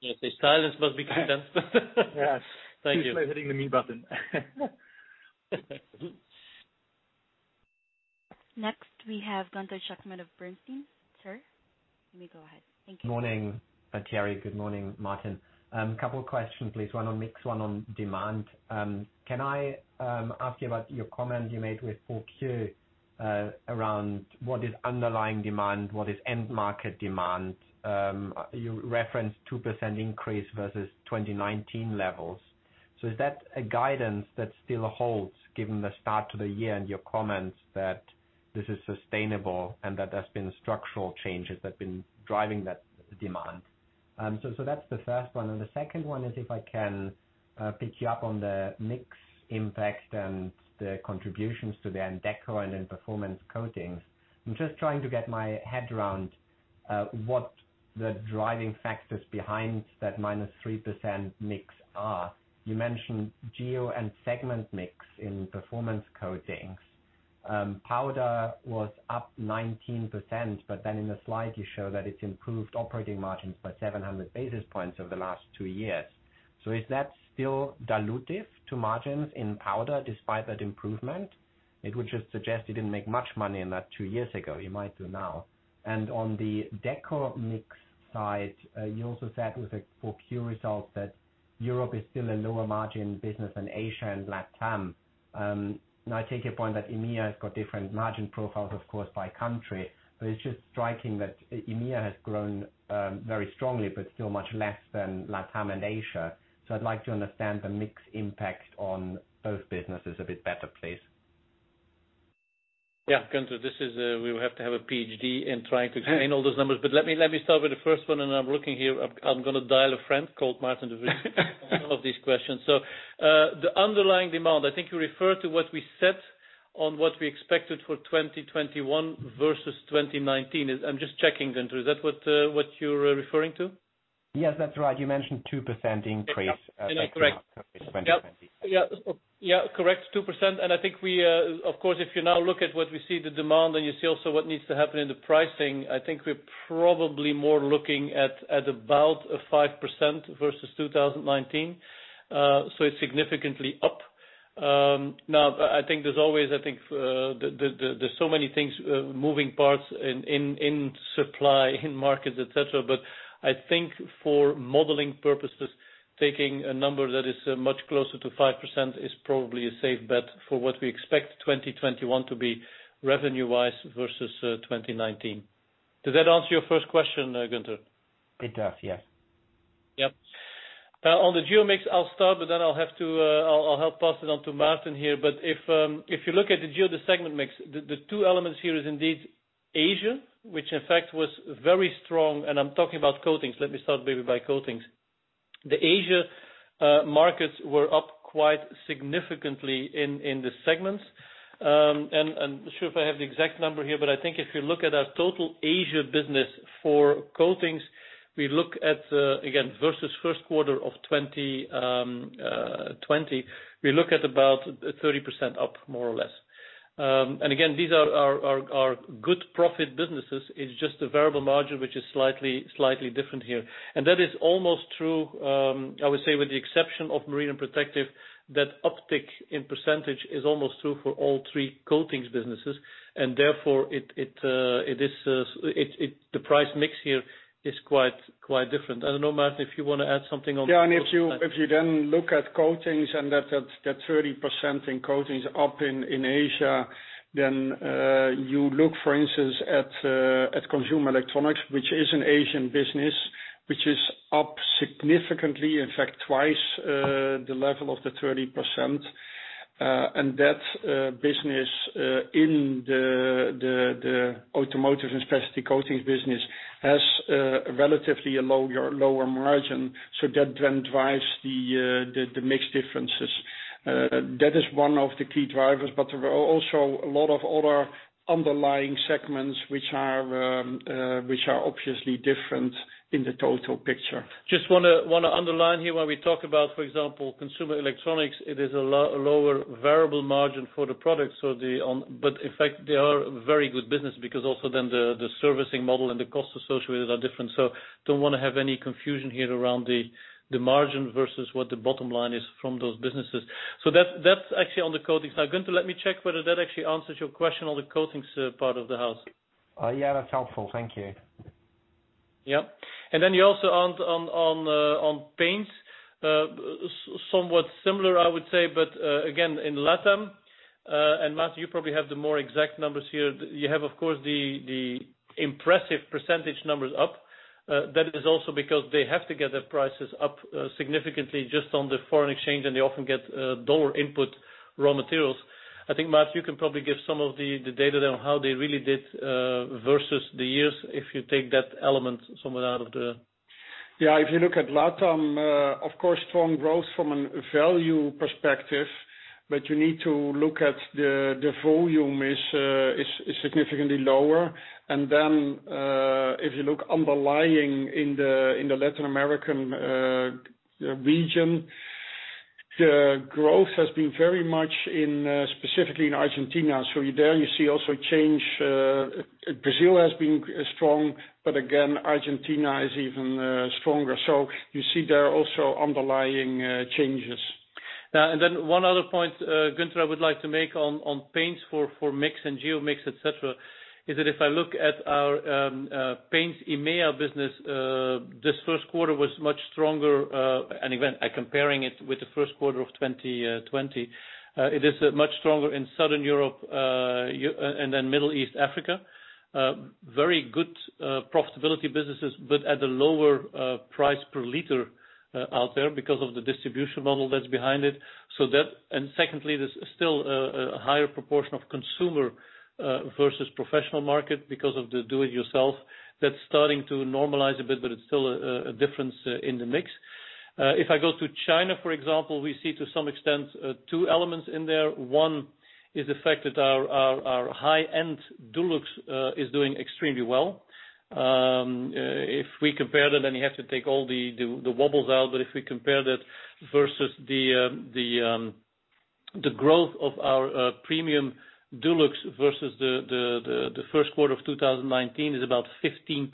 Speaker 3: If there's silence, must be content.
Speaker 9: Yes. Thank you.
Speaker 3: Too slow hitting the mute button.
Speaker 1: Next, we have Gunther Zechmann of Bernstein. Sir? Let me go ahead. Thank you.
Speaker 10: Morning, Thierry. Good morning, Maarten. A couple questions, please. One on mix, one on demand. Can I ask you about your comment you made with 4Q around what is underlying demand, what is end market demand? You referenced 2% increase versus 2019 levels. Is that a guidance that still holds given the start to the year and your comments that this is sustainable and that there's been structural changes that have been driving that demand? The second one is if I can pick you up on the mix impact and the contributions to the Deco and in Performance Coatings. I'm just trying to get my head around what the driving factors behind that minus 3% mix are. You mentioned geo and segment mix in Performance Coatings. Powder was up 19%. In the slide, you show that it's improved operating margins by 700 basis points over the last two years. Is that still dilutive to margins in powder despite that improvement? It would just suggest you didn't make much money on that two years ago. You might do now. On the Deco mix side, you also said with the 4Q results that Europe is still a lower margin business than Asia and LATAM. I take your point that EMEA has got different margin profiles, of course, by country. It's just striking that EMEA has grown very strongly, still much less than LATAM and Asia. I'd like to understand the mix impact on both businesses a bit better, please.
Speaker 3: Yeah, Gunther, we would have to have a PhD in trying to explain all those numbers. Let me start with the first one, and I'm looking here. I'm going to dial a friend called Maarten de Vries on some of these questions. The underlying demand, I think you refer to what we said on what we expected for 2021 versus 2019. I'm just checking, Gunther. Is that what you're referring to?
Speaker 10: Yes, that's right. You mentioned 2% increase.
Speaker 3: Correct
Speaker 10: versus 2020.
Speaker 3: Correct. 2%. I think we, of course, if you now look at what we see the demand and you see also what needs to happen in the pricing, I think we're probably more looking at about a 5% versus 2019. It's significantly up. I think there's so many things, moving parts in supply, in markets, et cetera. I think for modeling purposes, taking a number that is much closer to 5% is probably a safe bet for what we expect 2021 to be revenue-wise versus 2019. Does that answer your first question, Gunther?
Speaker 10: It does, yes.
Speaker 3: Yep. On the geo mix, I'll start, then I'll pass it on to Maarten here. If you look at the geo mix, the segment mix, the two elements here is indeed Asia, which in fact was very strong. I'm talking about coatings. Let me start maybe by coatings. The Asia markets were up quite significantly in the segments. I'm not sure if I have the exact number here, I think if you look at our total Asia business for coatings, we look at, again, versus first quarter of 2020, we look at about 30% up more or less. Again, these are good profit businesses. It's just the variable margin, which is slightly different here. That is almost true, I would say with the exception of Marine and Protective, that uptick in % is almost true for all three coatings businesses. Therefore, the price mix here is quite different. I don't know, Maarten, if you want to add something.
Speaker 4: If you then look at coatings and that 30% in coatings up in Asia, then you look, for instance, at consumer electronics, which is an Asian business, which is up significantly, in fact twice the level of the 30%. That business, in the automotive and specialty coatings business has relatively a lower margin, so that then drives the mix differences. That is one of the key drivers, there are also a lot of other underlying segments which are obviously different in the total picture.
Speaker 3: Just want to underline here when we talk about, for example, consumer electronics, it is a lower variable margin for the product. In fact, they are very good business because also then the servicing model and the cost associated are different. Don't want to have any confusion here around the margin versus what the bottom line is from those businesses. That's actually on the coatings. Now, Gunther, let me check whether that actually answers your question on the coatings part of the house.
Speaker 10: Yeah, that's helpful. Thank you.
Speaker 3: Yep. Then you also asked on paints. Somewhat similar, I would say, but again, in LATAM, and Maarten, you probably have the more exact numbers here. You have, of course, the impressive % numbers up. That is also because they have to get their prices up significantly just on the foreign exchange, and they often get dollar input raw materials. I think, Maarten, you can probably give some of the data then how they really did versus the years.
Speaker 4: Yeah, if you look at LATAM, of course, strong growth from a value perspective, but you need to look at the volume is significantly lower. If you look underlying in the Latin American region, the growth has been very much specifically in Argentina. There you see also change. Brazil has been strong, but again, Argentina is even stronger. You see there are also underlying changes.
Speaker 3: One other point, Gunther, I would like to make on paints for mix and geo mix, et cetera, is that if I look at our paints EMEA business, this first quarter was much stronger and comparing it with the first quarter of 2020, it is much stronger in Southern Europe and then Middle East Africa. Very good profitability businesses, at a lower price per liter out there because of the distribution model that's behind it. Secondly, there's still a higher proportion of consumer versus professional market because of the do it yourself that's starting to normalize a bit, but it's still a difference in the mix. If I go to China, for example, we see to some extent, two elements in there. One is the fact that our high-end Dulux is doing extremely well. If we compare that, then you have to take all the wobbles out. If we compare that versus the growth of our premium Dulux versus the first quarter of 2019 is about 15%.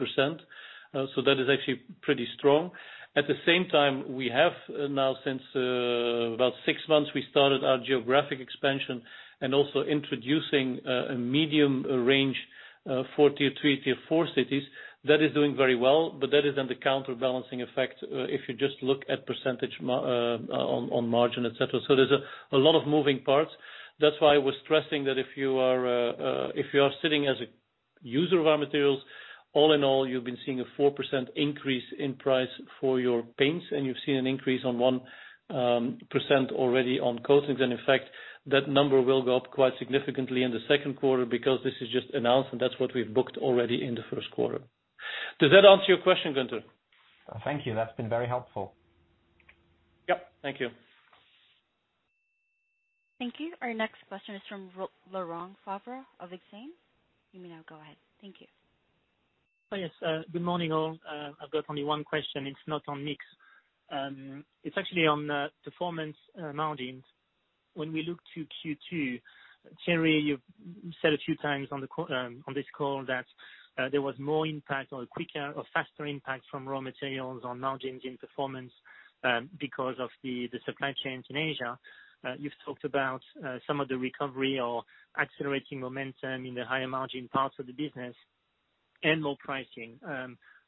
Speaker 3: That is actually pretty strong. At the same time, we have now since about six months, we started our geographic expansion and also introducing a medium range, four tier 3, tier 4 cities that is doing very well. That is then the counterbalancing effect if you just look at percentage on margin, et cetera. There's a lot of moving parts. That's why I was stressing that if you are sitting as a user of our materials, all in all, you've been seeing a 4% increase in price for your paints and you've seen an increase on 1% already on coatings. In fact, that number will go up quite significantly in the second quarter because this is just announced and that's what we've booked already in the first quarter. Does that answer your question, Gunther?
Speaker 10: Thank you. That's been very helpful.
Speaker 3: Yep. Thank you.
Speaker 1: Thank you. Our next question is from Laurent Favre of Exane. You may now go ahead. Thank you.
Speaker 11: Yes. Good morning, all. I've got only one question. It's not on mix. It's actually on Performance margins. When we look to Q2, Thierry, you've said a few times on this call that there was more impact or quicker or faster impact from raw materials on margin in Performance because of the supply chains in Asia. You've talked about some of the recovery or accelerating momentum in the higher margin parts of the business and low pricing.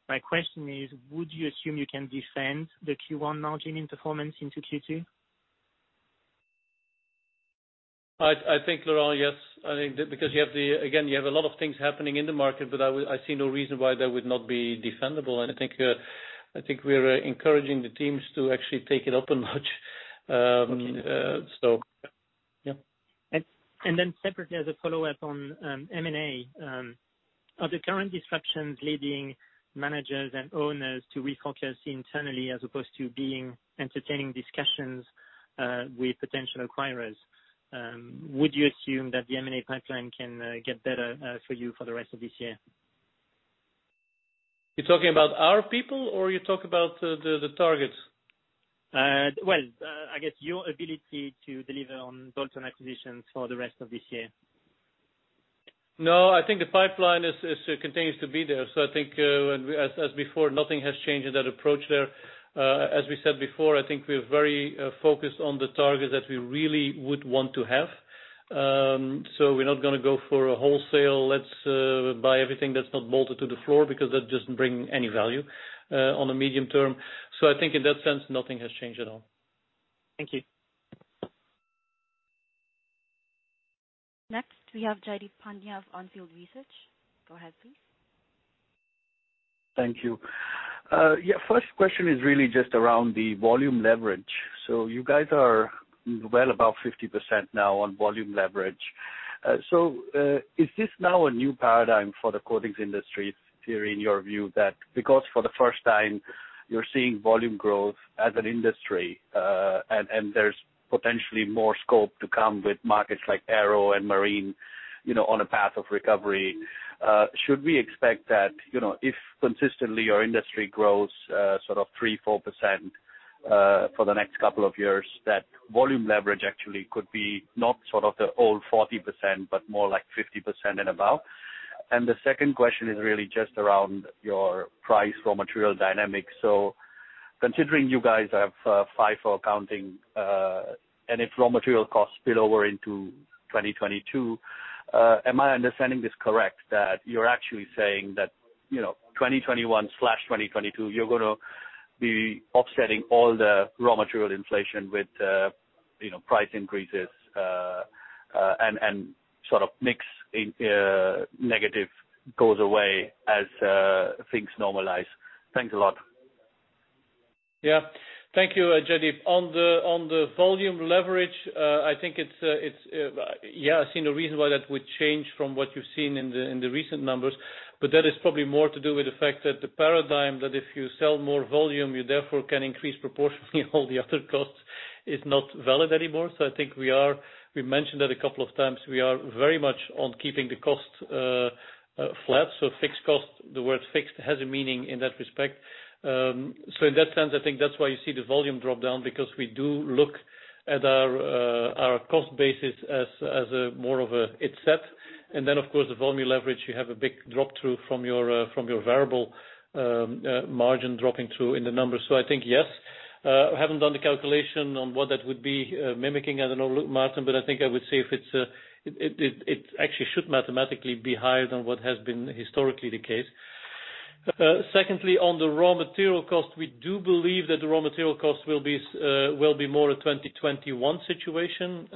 Speaker 11: My question is, would you assume you can defend the Q1 margin in Performance into Q2?
Speaker 3: I think Laurent, yes, because again, you have a lot of things happening in the market, but I see no reason why that would not be defendable. I think we are encouraging the teams to actually take it up a notch. Yeah.
Speaker 11: Separately as a follow-up on M&A, are the current disruptions leading managers and owners to refocus internally as opposed to being entertaining discussions with potential acquirers? Would you assume that the M&A pipeline can get better for you for the rest of this year?
Speaker 3: You're talking about our people or you talk about the targets?
Speaker 11: Well, I guess your ability to deliver on bolt-on acquisitions for the rest of this year.
Speaker 3: I think the pipeline continues to be there. I think as before, nothing has changed in that approach there. As we said before, I think we are very focused on the targets that we really would want to have. We're not going to go for a wholesale, let's buy everything that's not bolted to the floor because that doesn't bring any value on the medium term. I think in that sense, nothing has changed at all.
Speaker 11: Thank you.
Speaker 1: Next we have Jaideep Pandya of On Field Research. Go ahead, please.
Speaker 12: Thank you. Yeah, first question is really just around the volume leverage. You guys are well above 50% now on volume leverage. Is this now a new paradigm for the coatings industry, Thierry, in your view that because for the first time you're seeing volume growth as an industry, and there's potentially more scope to come with markets like aero and marine on a path of recovery. Should we expect that if consistently your industry grows sort of 3%, 4% for the next couple of years, that volume leverage actually could be not sort of the old 40%, but more like 50% and above? The second question is really just around your price raw material dynamics. Considering you guys have FIFO accounting, and if raw material costs spill over into 2022, am I understanding this correct that you're actually saying that 2021/2022, you're going to be offsetting all the raw material inflation with price increases, and sort of mix negative goes away as things normalize? Thanks a lot.
Speaker 3: Thank you, Jaideep. On the volume leverage, I think I see no reason why that would change from what you've seen in the recent numbers, but that is probably more to do with the fact that the paradigm that if you sell more volume, you therefore can increase proportionally all the other costs is not valid anymore. I think we mentioned that a couple of times. We are very much on keeping the cost flat. Fixed cost, the word fixed has a meaning in that respect. In that sense, I think that's why you see the volume drop down because we do look at our cost basis as more of a fixed set. Of course, the volume leverage, you have a big drop-through from your variable margin dropping through in the numbers. I think, yes. Haven't done the calculation on what that would be mimicking. I don't know, Maarten, I think I would say it actually should mathematically be higher than what has been historically the case. Secondly, on the raw material cost, we do believe that the raw material cost will be more a 2021 situation.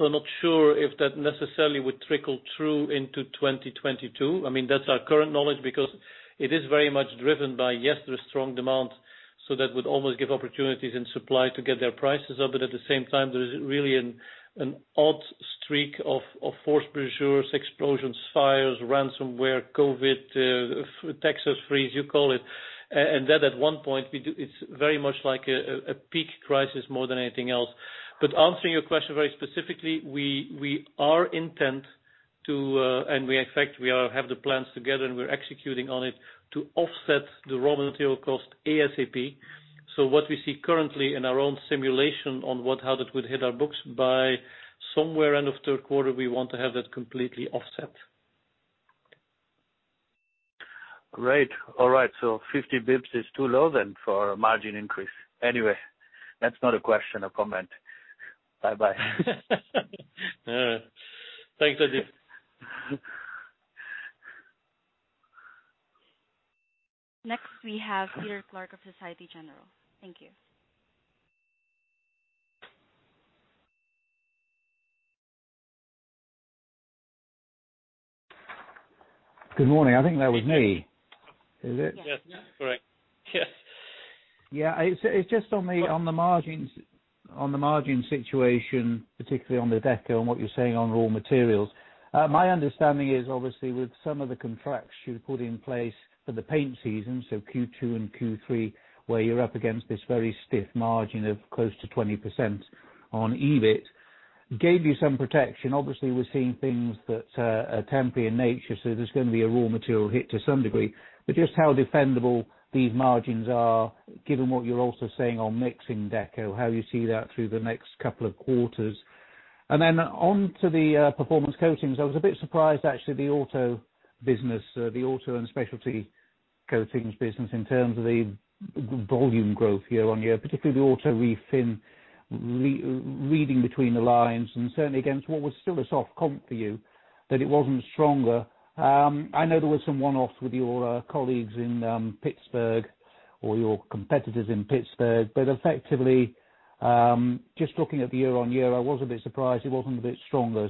Speaker 3: Not sure if that necessarily would trickle through into 2022. That's our current knowledge because it is very much driven by, yes, there's strong demand, so that would almost give opportunities in supply to get their prices up. At the same time, there is really an odd streak of force majeures, explosions, fires, ransomware, COVID, Texas freeze, you call it. That at one point, it's very much like a peak crisis more than anything else. Answering your question very specifically, we are intent to, and in fact, we have the plans together and we're executing on it, to offset the raw material cost ASAP. What we see currently in our own simulation on how that would hit our books, by somewhere end of third quarter, we want to have that completely offset.
Speaker 12: Great. All right. 50 basis points is too low then for a margin increase. Anyway, that's not a question, a comment. Bye-bye.
Speaker 3: Thanks, Jaideep.
Speaker 1: Next, we have Peter Clark of Societe Generale. Thank you.
Speaker 13: Good morning. I think that was me. Is it?
Speaker 3: Yes, correct. Yes.
Speaker 13: Yeah. It's just on the margin situation, particularly on the deco and what you're saying on raw materials. My understanding is obviously with some of the contracts you put in place for the paint season, so Q2 and Q3, where you're up against this very stiff margin of close to 20% on EBIT, gave you some protection. We're seeing things that are temporary in nature, there's going to be a raw material hit to some degree. Just how defendable these margins are, given what you're also saying on mixing deco, how you see that through the next couple of quarters. On to the Performance Coatings. I was a bit surprised actually, the auto business, the auto and specialty coatings business in terms of the volume growth year-on-year, particularly the auto refin, reading between the lines and certainly against what was still a soft comp for you, that it wasn't stronger. I know there was some one-offs with your colleagues in Pittsburgh or your competitors in Pittsburgh. Effectively, just looking at the year-on-year, I was a bit surprised it wasn't a bit stronger.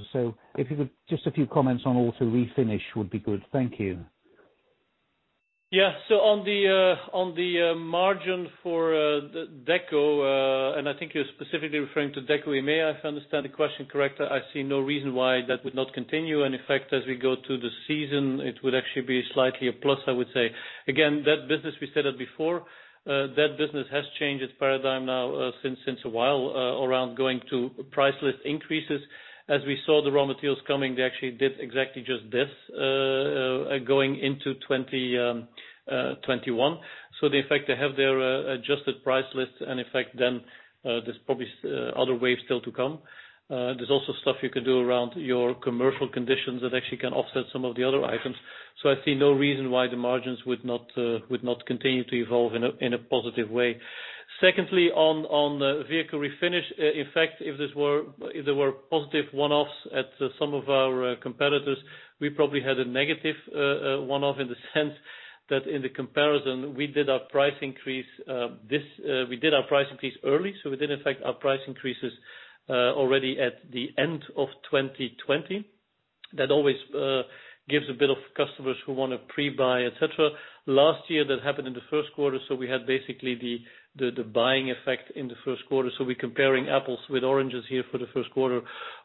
Speaker 13: If you could, just a few comments on auto refinish would be good. Thank you.
Speaker 3: On the margin for deco, I think you're specifically referring to deco EMEA, if I understand the question correctly, I see no reason why that would not continue. In fact, as we go to the season, it would actually be slightly a plus, I would say. Again, that business, we said it before, that business has changed its paradigm now since a while around going to price list increases. As we saw the raw materials coming, they actually did exactly just this, going into 2021. The effect, they have their adjusted price list then there's probably other waves still to come. There's also stuff you can do around your commercial conditions that actually can offset some of the other items. I see no reason why the margins would not continue to evolve in a positive way. Secondly, on the vehicle refinish, in fact, if there were positive one-offs at some of our competitors, we probably had a negative one-off in the sense that in the comparison, we did our price increase early. We did, in fact, our price increases already at the end of 2020. That always gives a bit of customers who want to pre-buy, et cetera. Last year, that happened in the first quarter. We had basically the buying effect in the first quarter. We're comparing apples with oranges here for the first quarter.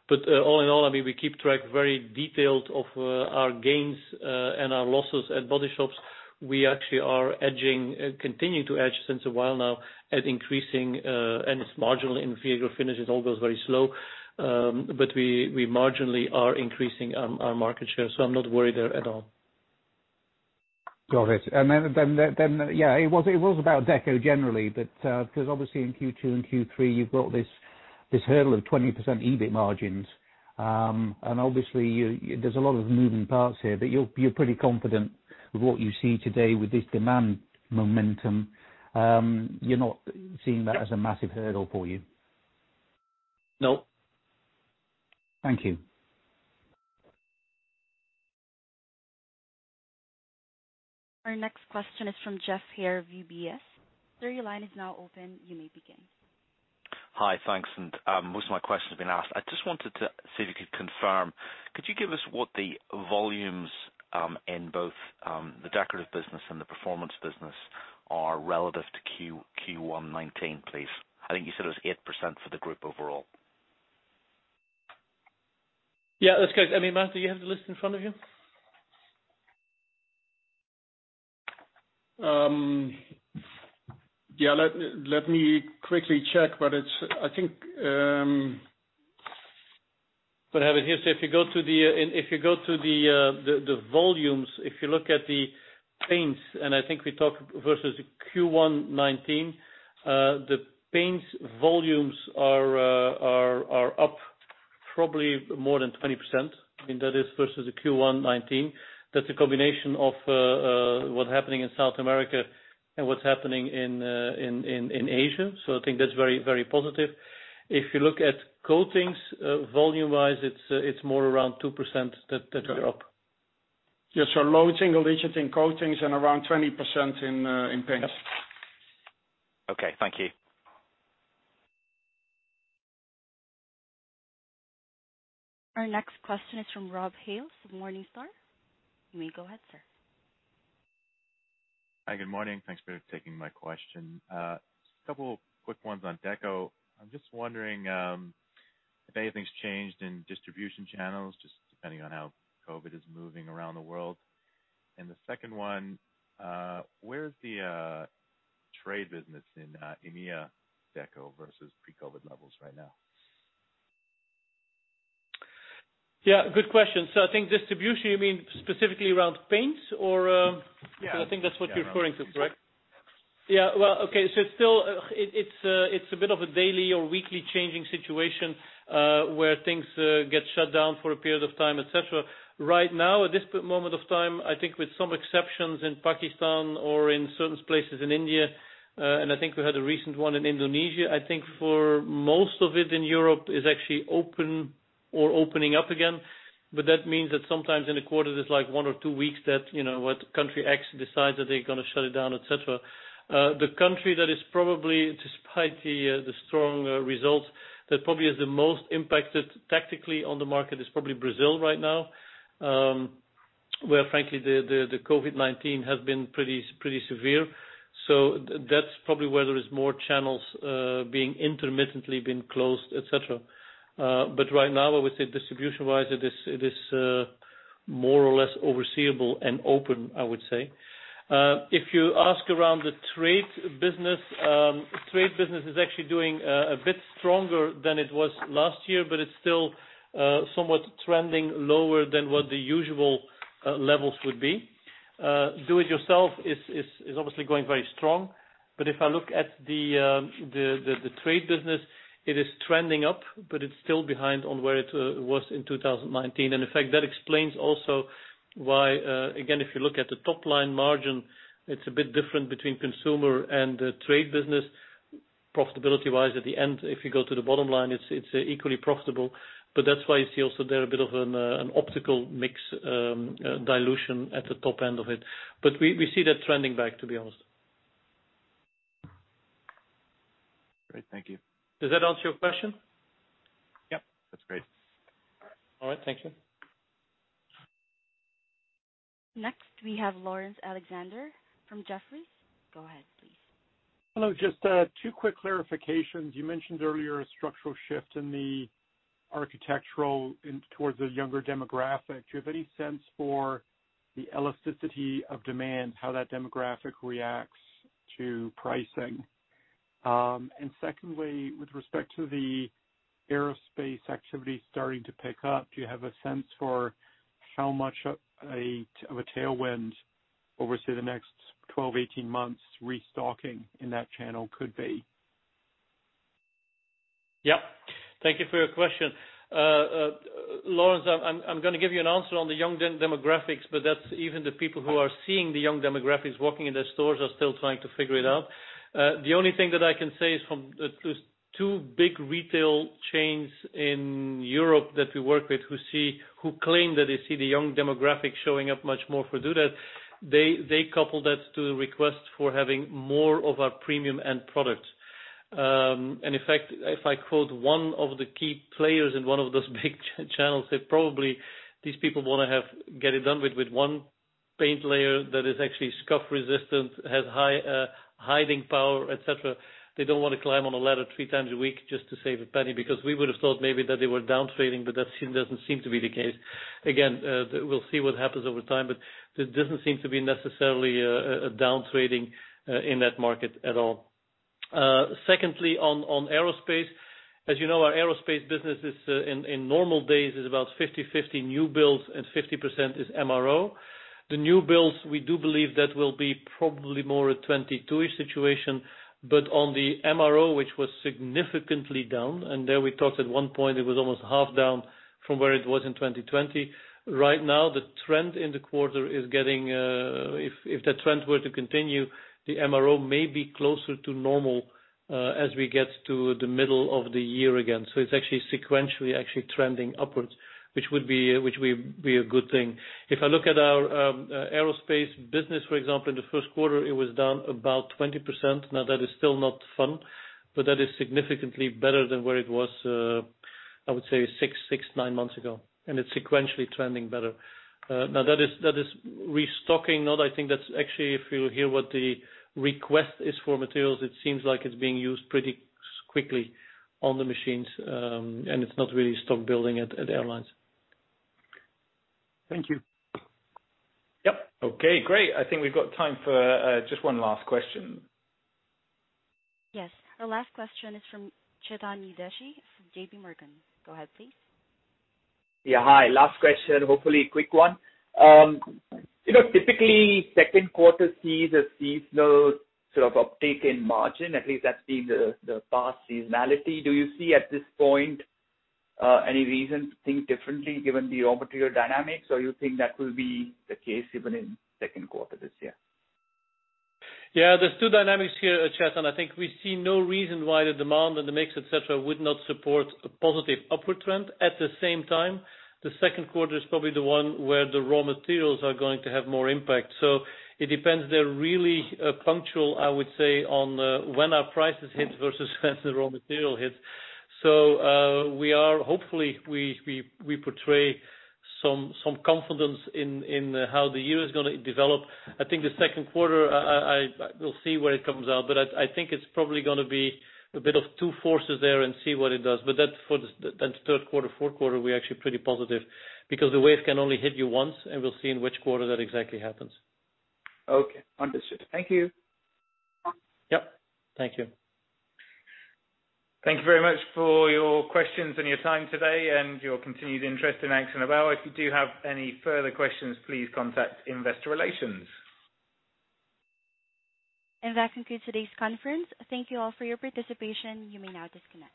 Speaker 3: All in all, we keep track very detailed of our gains and our losses at body shops. We actually are edging, continuing to edge since a while now at increasing, and it's marginal in vehicle finishes, it all goes very slow, but we marginally are increasing our market share. I'm not worried there at all.
Speaker 13: Got it. Yeah, it was about Deco generally, because obviously in Q2 and Q3, you've got this hurdle of 20% EBIT margins. There's a lot of moving parts here, but you're pretty confident with what you see today with this demand momentum. You're not seeing that as a massive hurdle for you.
Speaker 3: No.
Speaker 13: Thank you.
Speaker 1: Our next question is from Geoff Haire of UBS. Sir, your line is now open. You may begin.
Speaker 14: Hi. Thanks. Most of my questions have been asked. I just wanted to see if you could confirm, could you give us what the volumes in both the Decorative Paints and the Performance Coatings are relative to Q1 2019, please? I think you said it was 8% for the group overall.
Speaker 3: Yeah, that's correct. Maarten, do you have the list in front of you?
Speaker 4: Yeah. Let me quickly check, but I think-
Speaker 3: Have it here. If you go to the volumes, if you look at the paints, I think we talked versus Q1 2019, the paints volumes are up probably more than 20%. That is versus the Q1 2019. That's a combination of what's happening in South America and what's happening in Asia. I think that's very positive. If you look at coatings, volume-wise, it's more around 2% that we're up.
Speaker 4: Yes, sir. Low single digits in coatings and around 20% in paints.
Speaker 3: Yep.
Speaker 14: Okay. Thank you.
Speaker 1: Our next question is from Rob Hales of Morningstar. You may go ahead, sir.
Speaker 15: Hi, good morning. Thanks for taking my question. A couple quick ones on Deco. I'm just wondering if anything's changed in distribution channels, just depending on how COVID is moving around the world. The second one, where is the trade business in EMEA Deco versus pre-COVID levels right now?
Speaker 3: Yeah, good question. I think distribution, you mean specifically around paints or-
Speaker 15: Yeah
Speaker 3: I think that's what you're referring to, correct?
Speaker 15: Yeah.
Speaker 3: Okay. It's a bit of a daily or weekly changing situation, where things get shut down for a period of time, et cetera. Right now, at this moment of time, I think with some exceptions in Pakistan or in certain places in India, and I think we had a recent one in Indonesia, I think for most of it in Europe is actually open or opening up again. That means that sometimes in a quarter, there's one or two weeks that Country X decides that they're going to shut it down, et cetera. The country that is probably, despite the strong results, that probably is the most impacted tactically on the market is probably Brazil right now, where frankly, the COVID-19 has been pretty severe. That's probably where there is more channels intermittently being closed, et cetera. Right now, I would say distribution-wise, it is more or less overseeable and open, I would say. If you ask around the trade business, trade business is actually doing a bit stronger than it was last year, but it's still somewhat trending lower than what the usual levels would be. Do It Yourself is obviously going very strong. If I look at the trade business, it is trending up, but it's still behind on where it was in 2019. In fact, that explains also why, again, if you look at the top-line margin, it's a bit different between consumer and the trade business profitability-wise at the end. If you go to the bottom line, it's equally profitable, but that's why you see also there a bit of an optical mix dilution at the top end of it. We see that trending back, to be honest.
Speaker 15: Great. Thank you.
Speaker 3: Does that answer your question?
Speaker 15: Yep. That's great.
Speaker 3: All right. Thank you.
Speaker 1: Next, we have Laurence Alexander from Jefferies. Go ahead, please.
Speaker 16: Hello. Just two quick clarifications. You mentioned earlier a structural shift in the architectural towards a younger demographic. Do you have any sense for the elasticity of demand, how that demographic reacts to pricing? Secondly, with respect to the aerospace activity starting to pick up, do you have a sense for how much of a tailwind over, say, the next 12, 18 months restocking in that channel could be?
Speaker 3: Yep. Thank you for your question. Laurence, I'm going to give you an answer on the young demographics. That's even the people who are seeing the young demographics walking in their stores are still trying to figure it out. The only thing that I can say is from the two big retail chains in Europe that we work with, who claim that they see the young demographics showing up much more for DIY, they couple that to requests for having more of our premium end products. In fact, if I quote one of the key players in one of those big channels, these people want to get it done with one paint layer that is actually scuff-resistant, has high hiding power, et cetera. They don't want to climb on a ladder three times a week just to save a penny, because we would have thought maybe that they were down-trading, but that doesn't seem to be the case. Again, we'll see what happens over time, but there doesn't seem to be necessarily a down-trading in that market at all. Secondly, on aerospace, as you know, our aerospace business in normal days is about 50/50 new builds and 50% is MRO. The new builds, we do believe that will be probably more a 22-ish situation. On the MRO, which was significantly down, and there we talked at one point, it was almost half down from where it was in 2020. Right now, the trend in the quarter, if the trend were to continue, the MRO may be closer to normal as we get to the middle of the year again. It's actually sequentially trending upwards, which would be a good thing. If I look at our aerospace business, for example, in the first quarter, it was down about 20%. That is still not fun, but that is significantly better than where it was, I would say six, nine months ago, and it's sequentially trending better. That is restocking. I think that's actually if you hear what the request is for materials, it seems like it's being used pretty quickly on the machines, and it's not really stock-building at airlines.
Speaker 16: Thank you.
Speaker 3: Yep.
Speaker 2: Okay, great. I think we've got time for just one last question.
Speaker 1: Yes. Our last question is from Chetan Udeshi from JPMorgan. Go ahead, please.
Speaker 17: Yeah. Hi. Last question, hopefully a quick one. Typically, second quarter sees a seasonal sort of uptick in margin. At least that's been the past seasonality. Do you see at this point any reason to think differently given the raw material dynamics, or you think that will be the case even in second quarter this year?
Speaker 3: Yeah. There's two dynamics here, Chetan. I think we see no reason why the demand and the mix, et cetera, would not support a positive upward trend. At the same time, the second quarter is probably the one where the raw materials are going to have more impact. It depends. They're really punctual, I would say, on when our prices hit versus when the raw material hits. Hopefully we portray some confidence in how the year is going to develop. I think the second quarter, we'll see where it comes out. I think it's probably going to be a bit of two forces there and see what it does. Third quarter, fourth quarter, we're actually pretty positive because the wave can only hit you once, and we'll see in which quarter that exactly happens.
Speaker 17: Okay. Understood. Thank you.
Speaker 3: Yep. Thank you.
Speaker 2: Thank you very much for your questions and your time today and your continued interest in Akzo Nobel. If you do have any further questions, please contact Investor Relations.
Speaker 1: That concludes today's conference. Thank you all for your participation. You may now disconnect.